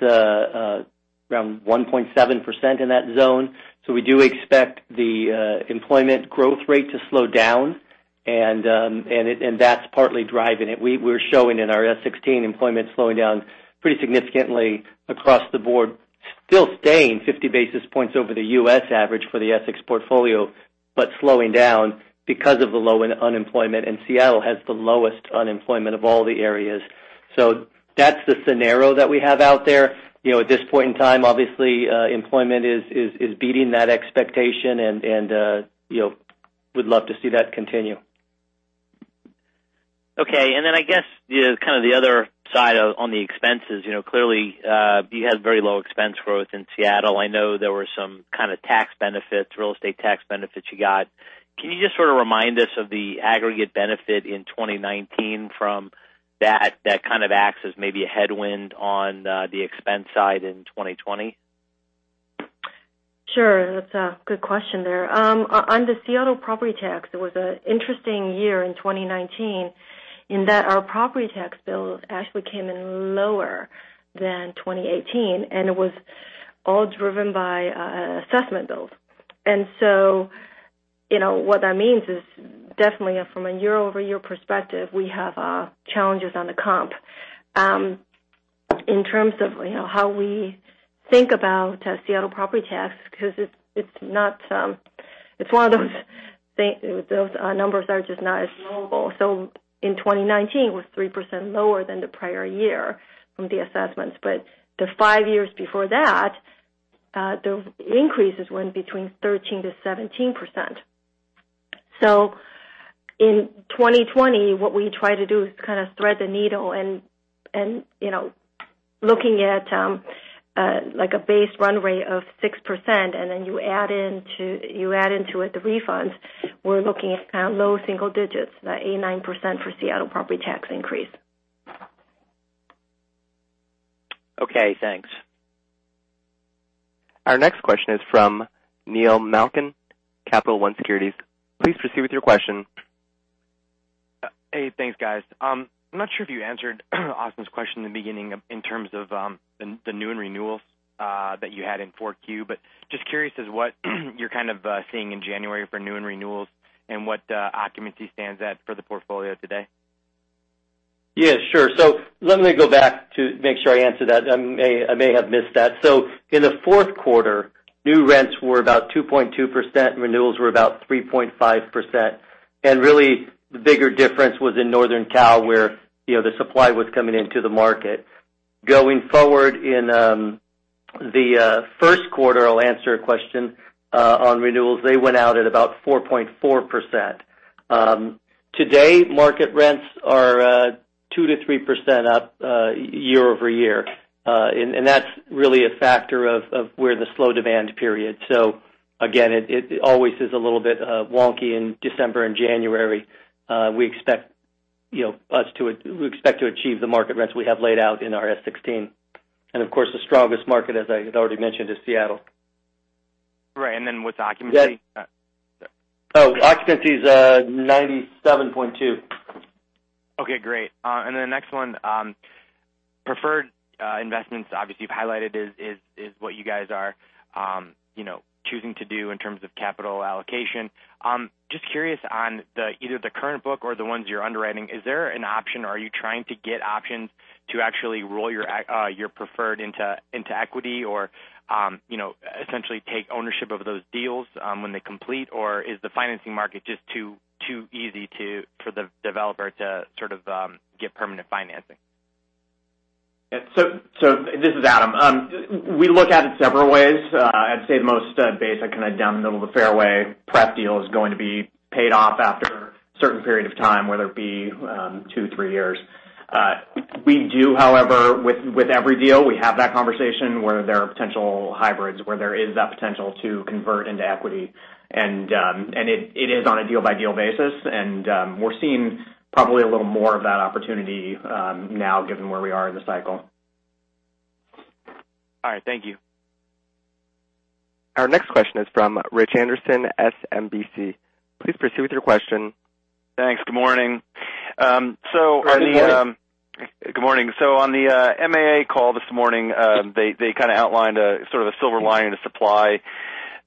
around 1.7% in that zone. We do expect the employment growth rate to slow down, and that's partly driving it. We're showing in our S16 employment slowing down pretty significantly across the board. Still staying 50 basis points over the U.S. average for the Essex portfolio, but slowing down because of the low unemployment, and Seattle has the lowest unemployment of all the areas. That's the scenario that we have out there. At this point in time, obviously, employment is beating that expectation, and we'd love to see that continue. Okay. I guess the other side on the expenses. Clearly, you had very low expense growth in Seattle. I know there were some kind of tax benefits, real estate tax benefits you got. Can you just sort of remind us of the aggregate benefit in 2019 from that kind of acts as maybe a headwind on the expense side in 2020? Sure. That's a good question there. On the Seattle property tax, it was an interesting year in 2019 in that our property tax bill actually came in lower than 2018, and it was all driven by assessment bills. What that means is definitely from a year-over-year perspective, we have challenges on the comp. In terms of how we think about Seattle property tax, because those numbers are just not as knowable. In 2019, it was 3% lower than the prior year from the assessments, but the five years before that, the increases went between 13%-17%. In 2020, what we try to do is kind of thread the needle and looking at like a base run rate of 6% and then you add into it the refunds, we're looking at kind of low single digits, 8%, 9% for Seattle property tax increase. Okay, thanks. Our next question is from Neil Malkin, Capital One Securities. Please proceed with your question. Hey, thanks guys. I'm not sure if you answered Austin's question in the beginning in terms of the new and renewals that you had in 4Q, but just curious as what you're kind of seeing in January for new and renewals and what occupancy stands at for the portfolio today. Yeah, sure. Let me go back to make sure I answer that. I may have missed that. In the fourth quarter, new rents were about 2.2% and renewals were about 3.5%. Really, the bigger difference was in Northern Cal, where the supply was coming into the market. Going forward in the first quarter, I'll answer a question on renewals, they went out at about 4.4%. Today, market rents are 2%-3% up year-over-year. That's really a factor of where the slow demand period. Again, it always is a little bit wonky in December and January. We expect to achieve the market rents we have laid out in our S16. Of course, the strongest market, as I had already mentioned, is Seattle. Right. What's occupancy? Oh, occupancy is 97.2. Okay, great. The next one, preferred investments obviously you've highlighted is what you guys are choosing to do in terms of capital allocation. Just curious on either the current book or the ones you're underwriting, is there an option or are you trying to get options to actually roll your preferred into equity or essentially take ownership of those deals when they complete? Is the financing market just too easy for the developer to sort of get permanent financing? This is Adam. We look at it several ways. I'd say the most basic kind of down the middle of the fairway pref deal is going to be paid off after a certain period of time, whether it be two, three years. We do, however, with every deal, we have that conversation where there are potential hybrids, where there is that potential to convert into equity. It is on a deal-by-deal basis. We're seeing probably a little more of that opportunity now given where we are in the cycle. All right. Thank you. Our next question is from Rich Anderson, SMBC. Please proceed with your question. Thanks. Good morning. Good morning. Good morning. On the MAA call this morning, they kind of outlined sort of a silver lining to supply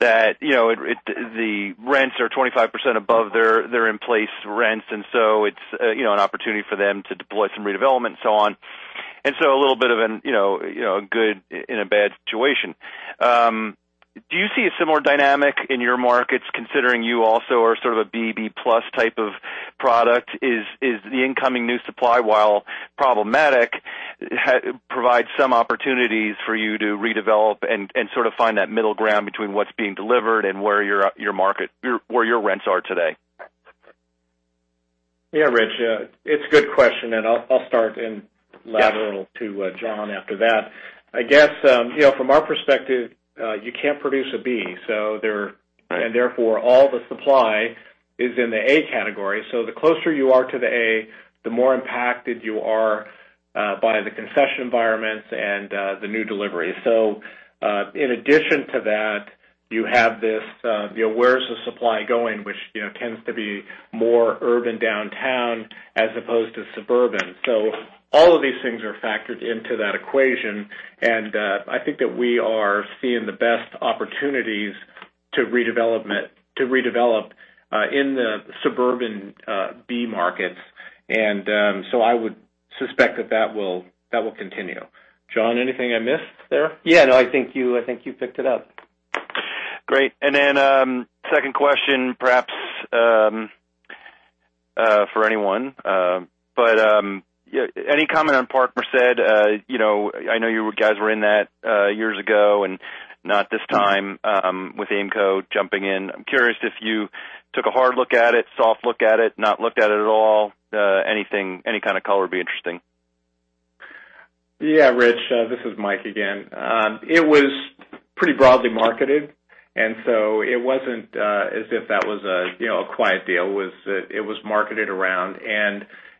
that the rents are 25% above their in-place rents, and so it's an opportunity for them to deploy some redevelopment and so on. A little bit of a good in a bad situation. Do you see a similar dynamic in your markets considering you also are sort of a B+ type of product? Is the incoming new supply, while problematic, provide some opportunities for you to redevelop and sort of find that middle ground between what's being delivered and where your rents are today? Yeah, Rich. It's a good question, and I'll start - Yeah. - to John after that. From our perspective, you can't produce a B, therefore, all the supply is in the A category. The closer you are to the A, the more impacted you are by the concession environments and the new delivery. In addition to that, you have this, where is the supply going, which tends to be more urban downtown as opposed to suburban. All of these things are factored into that equation, I think that we are seeing the best opportunities to redevelop in the suburban B markets. I would suspect that that will continue. John, anything I missed there? Yeah. No, I think you picked it up. Great. Second question, perhaps for anyone. Any comment on Parkmerced? I know you guys were in that years ago, and not this time with Aimco jumping in. I'm curious if you took a hard look at it, soft look at it, not looked at it at all. Any kind of color would be interesting. Yeah, Rich. This is Mike again. It was pretty broadly marketed, and so it wasn't as if that was a quiet deal, was that it was marketed around.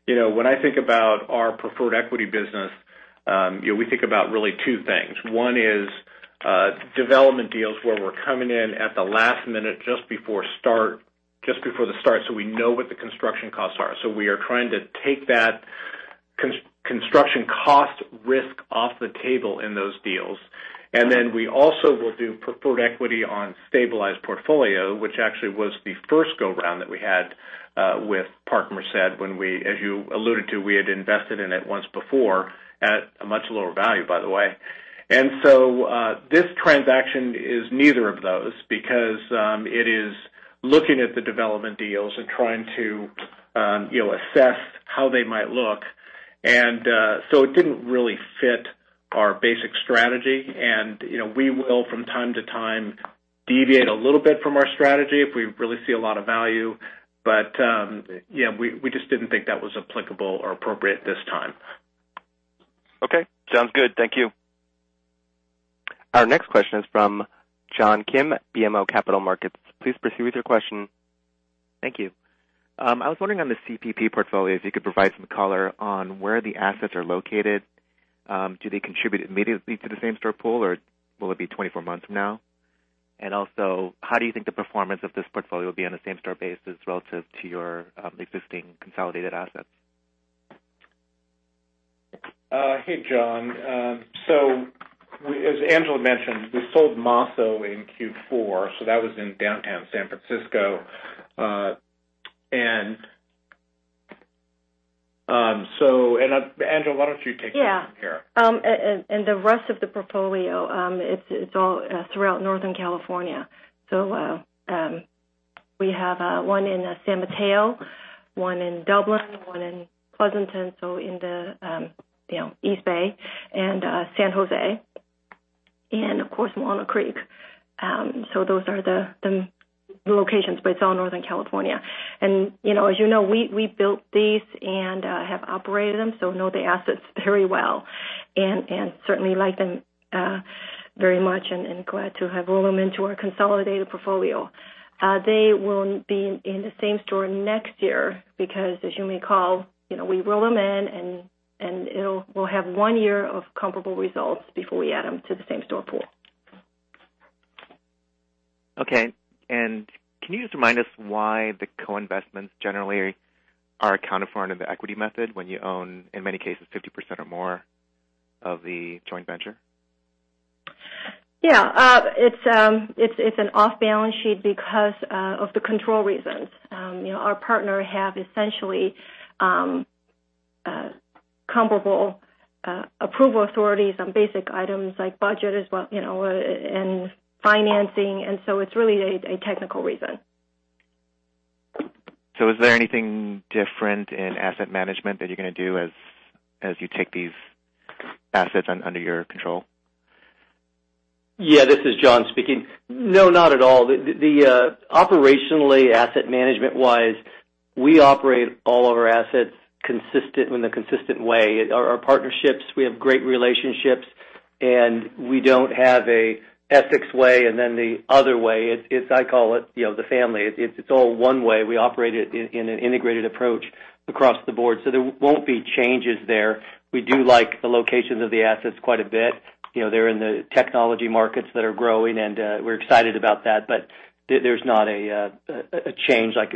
When I think about our preferred equity business, we think about really two things. One is development deals where we're coming in at the last minute, just before the start, so we know what the construction costs are. We are trying to take that construction cost risk off the table in those deals. We also will do preferred equity on stabilized portfolio, which actually was the first go-round that we had with Parkmerced when we, as you alluded to, we had invested in it once before at a much lower value, by the way. This transaction is neither of those because it is looking at the development deals and trying to assess how they might look. It didn't really fit our basic strategy. We will, from time to time, deviate a little bit from our strategy if we really see a lot of value. We just didn't think that was applicable or appropriate at this time. Okay. Sounds good. Thank you. Our next question is from John Kim, BMO Capital Markets. Please proceed with your question. Thank you. I was wondering on the CPP portfolio, if you could provide some color on where the assets are located. Do they contribute immediately to the same-store pool, or will it be 24 months from now? Also, how do you think the performance of this portfolio will be on a same-store basis relative to your existing consolidated assets? Hey, John. As Angela mentioned, we sold Mosso in Q4, so that was in downtown San Francisco. Angela, why don't you take it from here? Yeah. The rest of the portfolio, it's all throughout Northern California. We have one in San Mateo, one in Dublin, one in Pleasanton, in the East Bay and San Jose, and of course, Walnut Creek. Those are the locations, but it's all Northern California. As you know, we built these and have operated them, know the assets very well and certainly like them very much and glad to have rolled them into our consolidated portfolio. They will be in the same store next year because as you may recall, we roll them in and we'll have one year of comparable results before we add them to the same-store pool. Okay. Can you just remind us why the co-investments generally are accounted for under the equity method when you own, in many cases, 50% or more of the joint venture? Yeah. It's an off-balance sheet because of the control reasons. Our partner have essentially comparable approval authorities on basic items like budget as well, and financing, and so it's really a technical reason. Is there anything different in asset management that you're going to do as you take these assets under your control? Yeah, this is John speaking. No, not at all. Operationally, asset management-wise, we operate all of our assets in a consistent way. Our partnerships, we have great relationships, and we don't have a Essex way and then the other way. It's, I call it, the family. It's all one way. We operate it in an integrated approach across the board. There won't be changes there. We do like the locations of the assets quite a bit. They're in the technology markets that are growing, and we're excited about that, but there's not a change like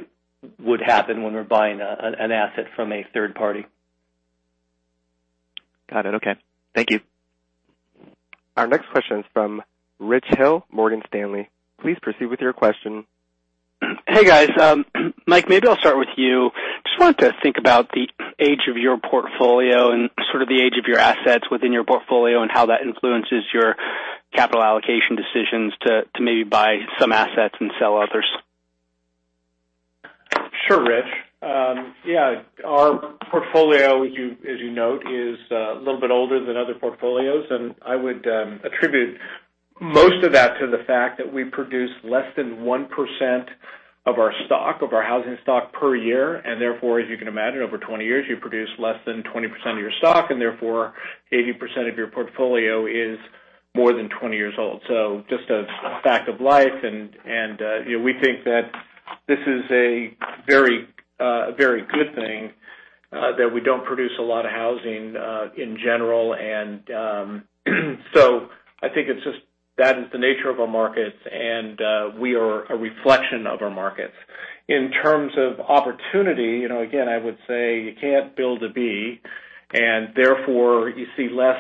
would happen when we're buying an asset from a third party. Got it. Okay. Thank you. Our next question is from Rich Hill, Morgan Stanley. Please proceed with your question. Hey, guys. Mike, maybe I'll start with you. Just wanted to think about the age of your portfolio and sort of the age of your assets within your portfolio and how that influences your capital allocation decisions to maybe buy some assets and sell others? Sure, Rich. Yeah, our portfolio, as you note, is a little bit older than other portfolios. I would attribute most of that to the fact that we produce less than 1% of our stock, of our housing stock per year. Therefore, as you can imagine, over 20 years, you produce less than 20% of your stock. Therefore 80% of your portfolio is more than 20 years old. Just a fact of life. We think that this is a very good thing that we don't produce a lot of housing in general. I think it's just that is the nature of our markets. We are a reflection of our markets. In terms of opportunity, again, I would say you can't build a B, and therefore you see less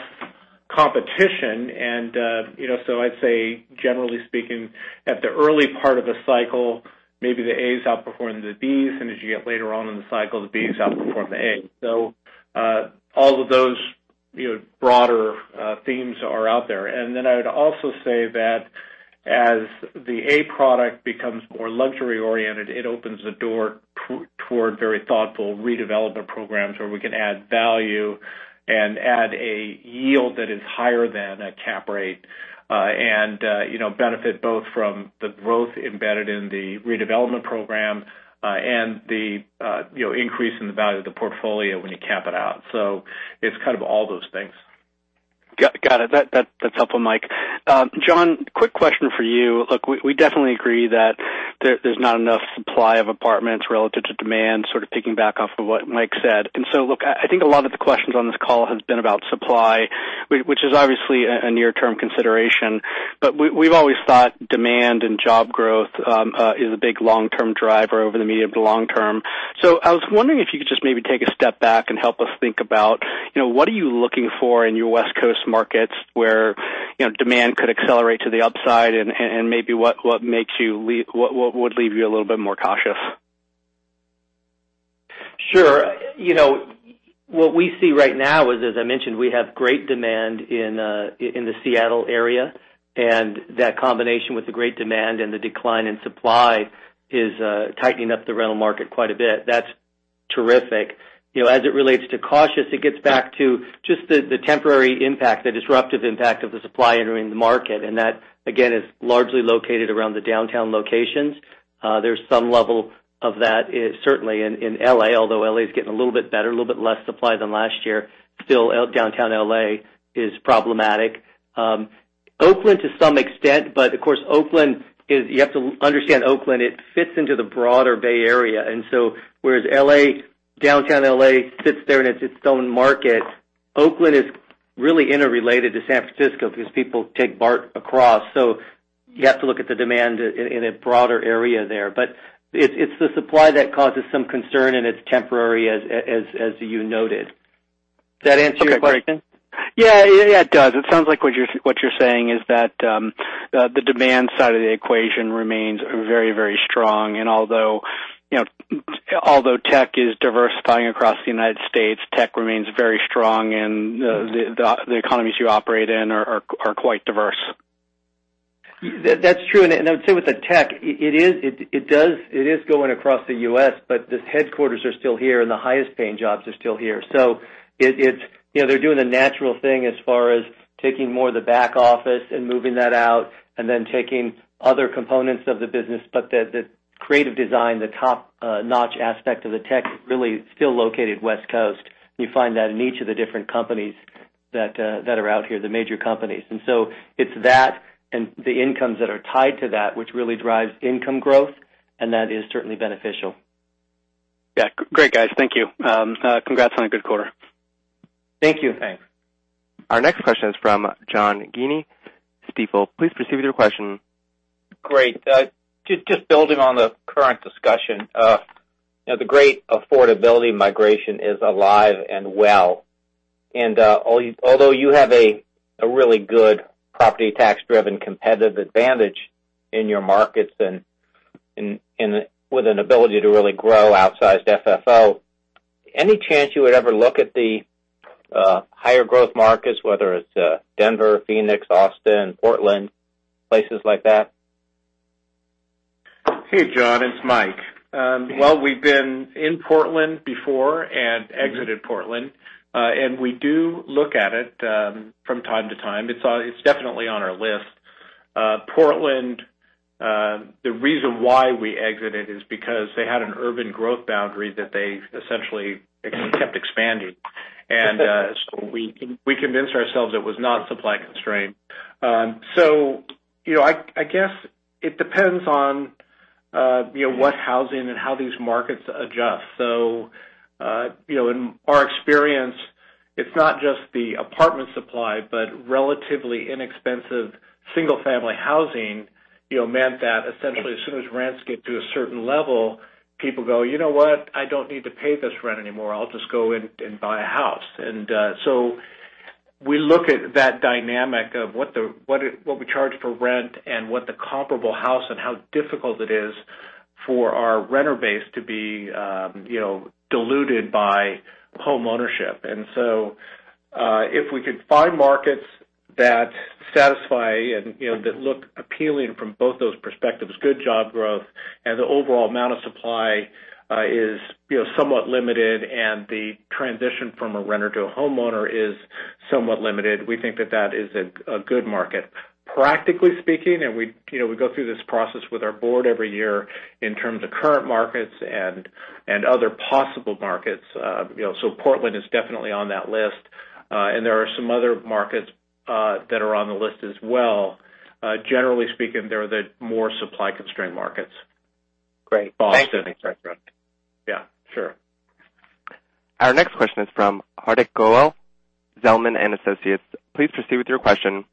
competition, and so I'd say generally speaking, at the early part of the cycle, maybe the A's outperformed the B's, and as you get later on in the cycle, the B's outperform the A. All of those broader themes are out there. Then I would also say that as the A product becomes more luxury-oriented, it opens the door toward very thoughtful redevelopment programs where we can add value and add a yield that is higher than a cap rate and benefit both from the growth embedded in the redevelopment program and the increase in the value of the portfolio when you cap it out. It's kind of all those things. Got it. That's helpful, Mike. John, quick question for you. Look, we definitely agree that there's not enough supply of apartments relative to demand, sort of picking back off of what Mike said. Look, I think a lot of the questions on this call has been about supply, which is obviously a near-term consideration. We've always thought demand and job growth is a big long-term driver over the medium to long term. I was wondering if you could just maybe take a step back and help us think about what are you looking for in your West Coast markets where demand could accelerate to the upside and maybe what would leave you a little bit more cautious? Sure. What we see right now is, as I mentioned, we have great demand in the Seattle area, and that combination with the great demand and the decline in supply is tightening up the rental market quite a bit. That's terrific. As it relates to cautious, it gets back to just the temporary impact, the disruptive impact of the supply entering the market, and that, again, is largely located around the downtown locations. There's some level of that certainly in L.A., although L.A.'s getting a little bit better, a little bit less supply than last year. Still, downtown L.A. is problematic. Oakland to some extent, but of course, you have to understand Oakland, it fits into the broader Bay Area. Whereas downtown L.A. sits there and it's its own market, Oakland is really interrelated to San Francisco because people take BART across. You have to look at the demand in a broader area there. It's the supply that causes some concern, and it's temporary as you noted. Does that answer your question? Yeah, it does. It sounds like what you're saying is that the demand side of the equation remains very, very strong. Although tech is diversifying across the U.S., tech remains very strong and the economies you operate in are quite diverse. That's true. I would say with the tech, it is going across the U.S., the headquarters are still here and the highest-paying jobs are still here. They're doing the natural thing as far as taking more of the back office and moving that out and then taking other components of the business. The creative design, the top-notch aspect of the tech really still located West Coast. You find that in each of the different companies that are out here, the major companies. It's that and the incomes that are tied to that which really drives income growth, and that is certainly beneficial. Yeah. Great, guys. Thank you. Congrats on a good quarter. Thank you. Thanks. Our next question is from John Guinee, Stifel. Please proceed with your question. Great. Just building on the current discussion. The great affordability migration is alive and well, and although you have a really good property tax-driven competitive advantage in your markets and with an ability to really grow outsized FFO, any chance you would ever look at the higher growth markets, whether it's Denver, Phoenix, Austin, Portland, places like that? Hey, John, it's Mike. Well, we've been in Portland before and exited Portland. We do look at it from time to time. It's definitely on our list. Portland, the reason why we exited is because they had an urban growth boundary that they essentially kept expanding. We convinced ourselves it was not supply-constrained. I guess it depends on what housing and how these markets adjust. In our experience, it's not just the apartment supply, but relatively inexpensive single-family housing meant that essentially as soon as rents get to a certain level, people go, "You know what? I don't need to pay this rent anymore. I'll just go and buy a house." We look at that dynamic of what we charge for rent and what the comparable house and how difficult it is for our renter base to be diluted by homeownership. If we could find markets that satisfy and that look appealing from both those perspectives, good job growth and the overall amount of supply is somewhat limited and the transition from a renter to a homeowner is somewhat limited, we think that that is a good market. Practically speaking, we go through this process with our board every year in terms of current markets and other possible markets. Portland is definitely on that list. There are some other markets that are on the list as well. Generally speaking, they're the more supply-constrained markets. Great. Thank you. Boston. Yeah, sure. Our next question is from Hardik Goel, Zelman & Associates. Please proceed with your question.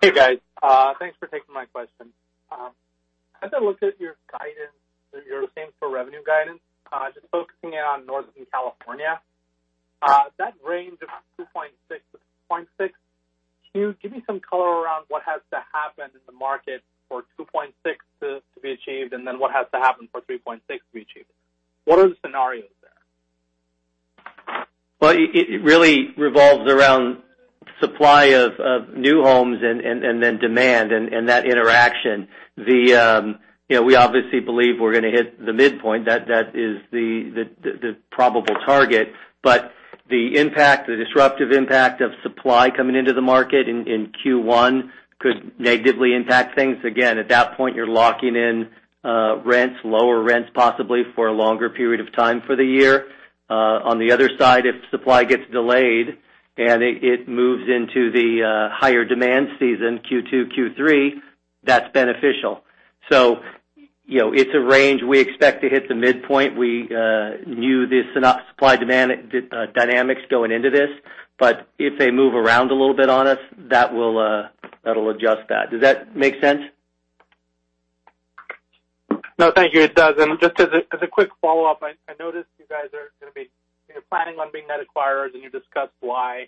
Hey, guys. Thanks for taking my question. As I look at your guidance, your same-store revenue guidance, just focusing in on Northern California, that range of 2.6%-3.6%, can you give me some color around what has to happen in the market for 2.6% to be achieved, and then what has to happen for 3.6% to be achieved? What are the scenarios there? Well, it really revolves around supply of new homes and then demand and that interaction. We obviously believe we're going to hit the midpoint. That is the probable target. The disruptive impact of supply coming into the market in Q1 could negatively impact things. Again, at that point, you're locking in rents, lower rents, possibly for a longer period of time for the year. On the other side, if supply gets delayed and it moves into the higher demand season, Q2, Q3, that's beneficial. It's a range. We expect to hit the midpoint. We knew the supply-demand dynamics going into this, but if they move around a little bit on us, that'll adjust that. Does that make sense? No, thank you. It does. Just as a quick follow-up, I noticed you guys are going to be planning on being net acquirers, and you discussed why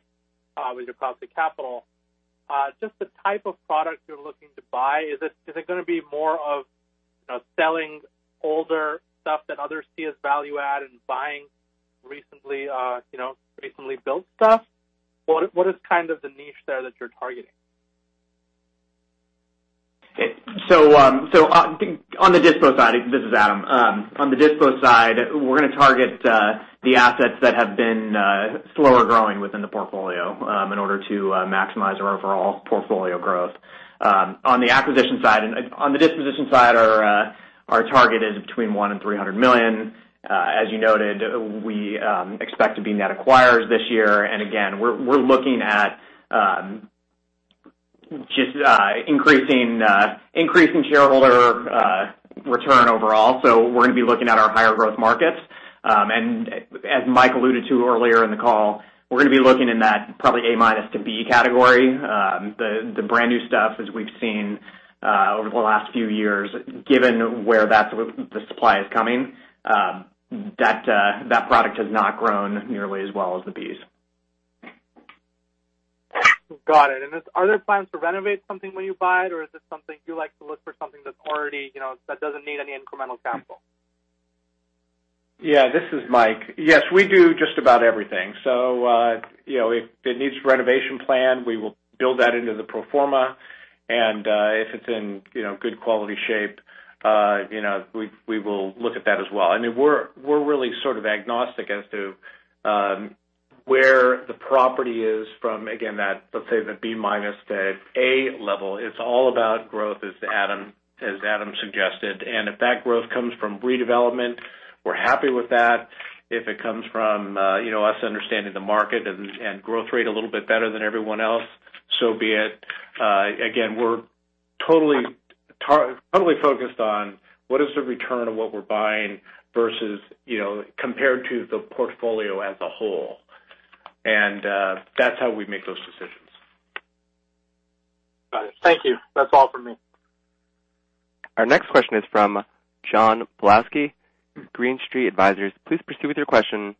with your cost of capital. Just the type of product you're looking to buy. Is it going to be more of selling older stuff that others see as value add and buying recently built stuff? What is the niche there that you're targeting? Okay. On the dispo side, this is Adam. On the dispo side, we're going to target the assets that have been slower growing within the portfolio in order to maximize our overall portfolio growth. On the acquisition side and on the disposition side, our target is between $1 million and $300 million. As you noted, we expect to be net acquirers this year, and again, we're looking at just increasing shareholder return overall. We're going to be looking at our higher growth markets. As Mike alluded to earlier in the call, we're going to be looking in that probably A-minus to B category. The brand-new stuff, as we've seen over the last few years, given where the supply is coming, that product has not grown nearly as well as the Bs. Got it. Are there plans to renovate something when you buy it, or is this something you like to look for something that doesn't need any incremental capital? Yeah. This is Mike. Yes, we do just about everything. If it needs a renovation plan, we will build that into the pro forma, and if it's in good quality shape, we will look at that as well. We're really sort of agnostic as to where the property is from, again, let's say the B-minus to A level. It's all about growth as Adam suggested, and if that growth comes from redevelopment, we're happy with that. If it comes from us understanding the market and growth rate a little bit better than everyone else, so be it. Again, we're totally focused on what is the return on what we're buying versus compared to the portfolio as a whole. That's how we make those decisions. Got it. Thank you. That's all from me. Our next question is from John Pawlowski, Green Street Advisors. Please proceed with your question.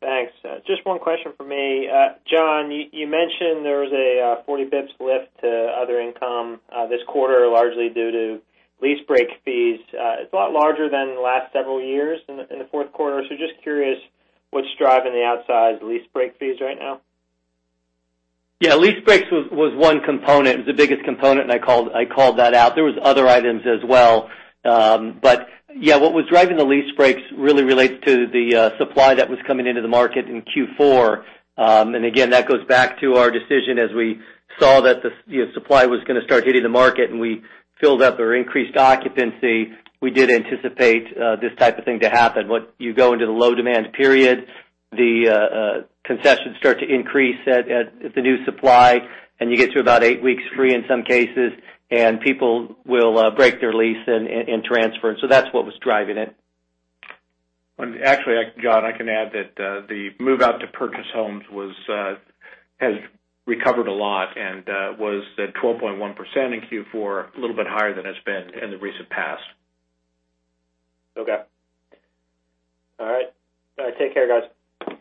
Thanks. Just one question from me. John, you mentioned there was a 40 basis points lift to other income this quarter, largely due to lease break fees. It's a lot larger than the last several years in the fourth quarter. Just curious, what's driving the outsized lease break fees right now? Yeah. Lease breaks was one component. It was the biggest component. I called that out. There was other items as well. Yeah, what was driving the lease breaks really relates to the supply that was coming into the market in Q4. Again, that goes back to our decision as we saw that the supply was going to start hitting the market, and we filled up or increased occupancy. We did anticipate this type of thing to happen. Once you go into the low-demand period, the concessions start to increase at the new supply, and you get to about eight weeks free in some cases, and people will break their lease and transfer. That's what was driving it. Actually, John, I can add that the move-out to purchase homes has recovered a lot and was at 12.1% in Q4, a little bit higher than it's been in the recent past. Okay. All right. Take care, guys. Thank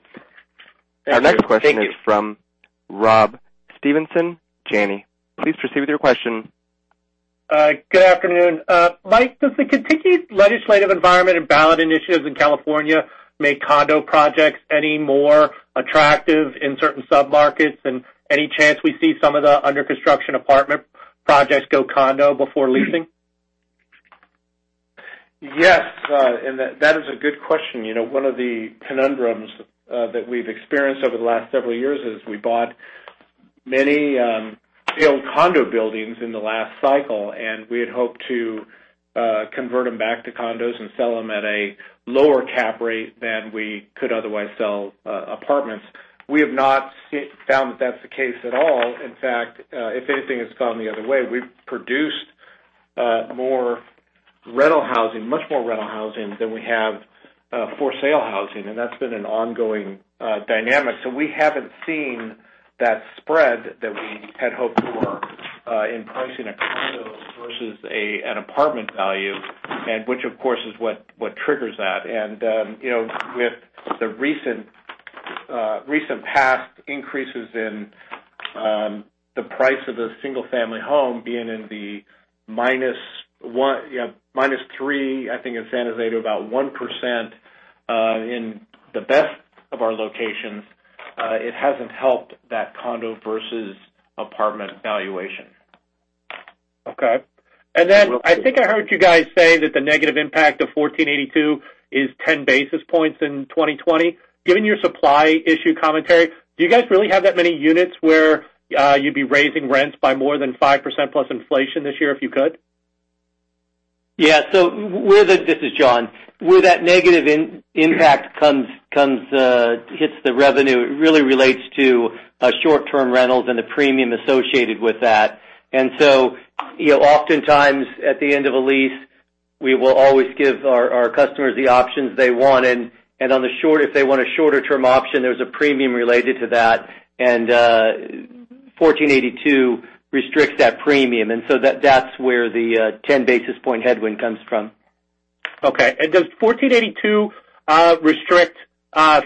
you. Our next question is from Rob Stevenson, Janney. Please proceed with your question. Good afternoon. Mike, does the continued legislative environment and ballot initiatives in California make condo projects any more attractive in certain sub-markets? Any chance we see some of the under-construction apartment projects go condo before leasing? Yes, that is a good question. One of the conundrums that we've experienced over the last several years is we bought many failed condo buildings in the last cycle, and we had hoped to convert them back to condos and sell them at a lower cap rate than we could otherwise sell apartments. We have not found that that's the case at all. In fact, if anything, it's gone the other way. We've produced more rental housing, much more rental housing than we have for-sale housing, and that's been an ongoing dynamic. We haven't seen that spread that we had hoped for in pricing a condo versus an apartment value, and which, of course, is what triggers that. With the recent past increases in the price of the single-family home being in the -3, I think, in San Jose to about 1% in the best of our locations, it hasn't helped that condo versus apartment valuation. Okay. I think I heard you guys say that the negative impact of 1482 is 10 basis points in 2020. Given your supply issue commentary, do you guys really have that many units where you'd be raising rents by more than 5% plus inflation this year if you could? Yeah. This is John. Where that negative impact hits the revenue, it really relates to short-term rentals and the premium associated with that. Oftentimes, at the end of a lease, we will always give our customers the options they want. If they want a shorter-term option, there's a premium related to that, and 1482 restricts that premium. That's where the 10 basis point headwind comes from. Okay. Does 1482 restrict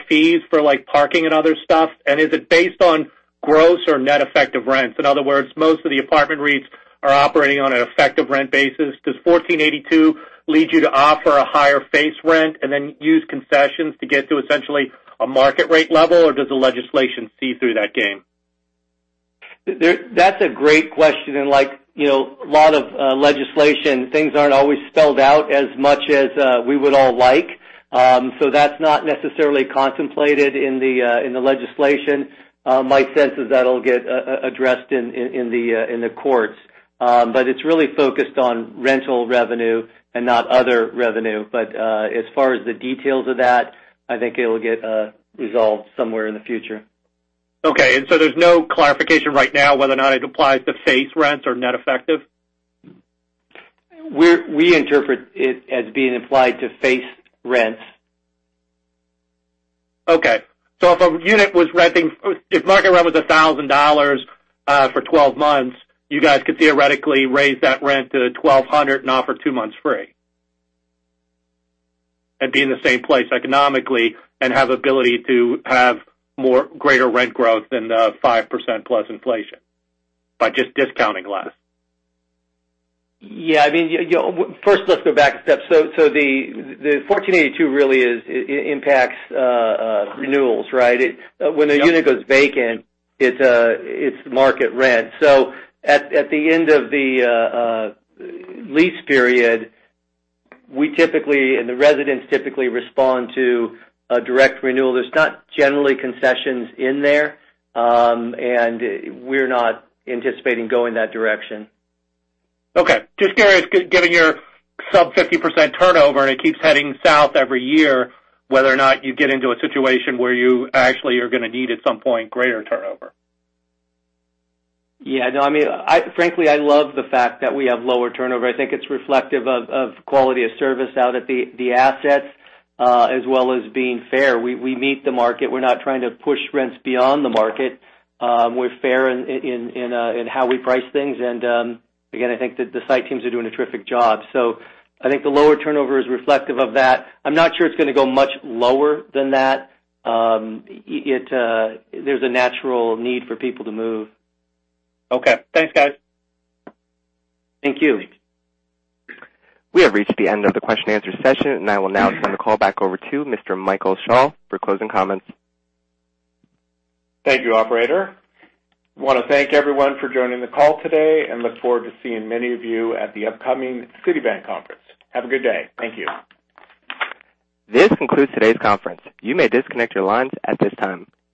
fees for parking and other stuff? Is it based on gross or net effective rents? In other words, most of the apartment REITs are operating on an effective rent basis. Does 1482 lead you to offer a higher face rent and then use concessions to get to essentially a market rate level, or does the legislation see through that game? That's a great question. Like a lot of legislation, things aren't always spelled out as much as we would all like. That's not necessarily contemplated in the legislation. My sense is that'll get addressed in the courts. It's really focused on rental revenue and not other revenue. As far as the details of that, I think it'll get resolved somewhere in the future. Okay. There's no clarification right now whether or not it applies to face rents or net effective? We interpret it as being applied to face rents. Okay. If market rent was $1,000 for 12 months, you guys could theoretically raise that rent to $1,200 and offer two months free, and be in the same place economically and have ability to have greater rent growth than the 5% plus inflation by just discounting less. Yeah. First, let's go back a step. The 1482 really impacts renewals, right? Yep. When a unit goes vacant, it's market rent. At the end of the lease period, we typically, and the residents typically respond to a direct renewal. There's not generally concessions in there. We're not anticipating going that direction. Okay. Just curious, given your sub 50% turnover, and it keeps heading south every year, whether or not you get into a situation where you actually are going to need at some point greater turnover? Yeah. No, frankly, I love the fact that we have lower turnover. I think it's reflective of quality of service out at the assets, as well as being fair. We meet the market. We're not trying to push rents beyond the market. We're fair in how we price things. Again, I think that the site teams are doing a terrific job. I think the lower turnover is reflective of that. I'm not sure it's going to go much lower than that. There's a natural need for people to move. Okay. Thanks, guys. Thank you. We have reached the end of the question and answer session, and I will now turn the call back over to Mr. Michael Schall for closing comments. Thank you, operator. I want to thank everyone for joining the call today and look forward to seeing many of you at the upcoming Citi conference. Have a good day. Thank you. This concludes today's conference. You may disconnect your lines at this time.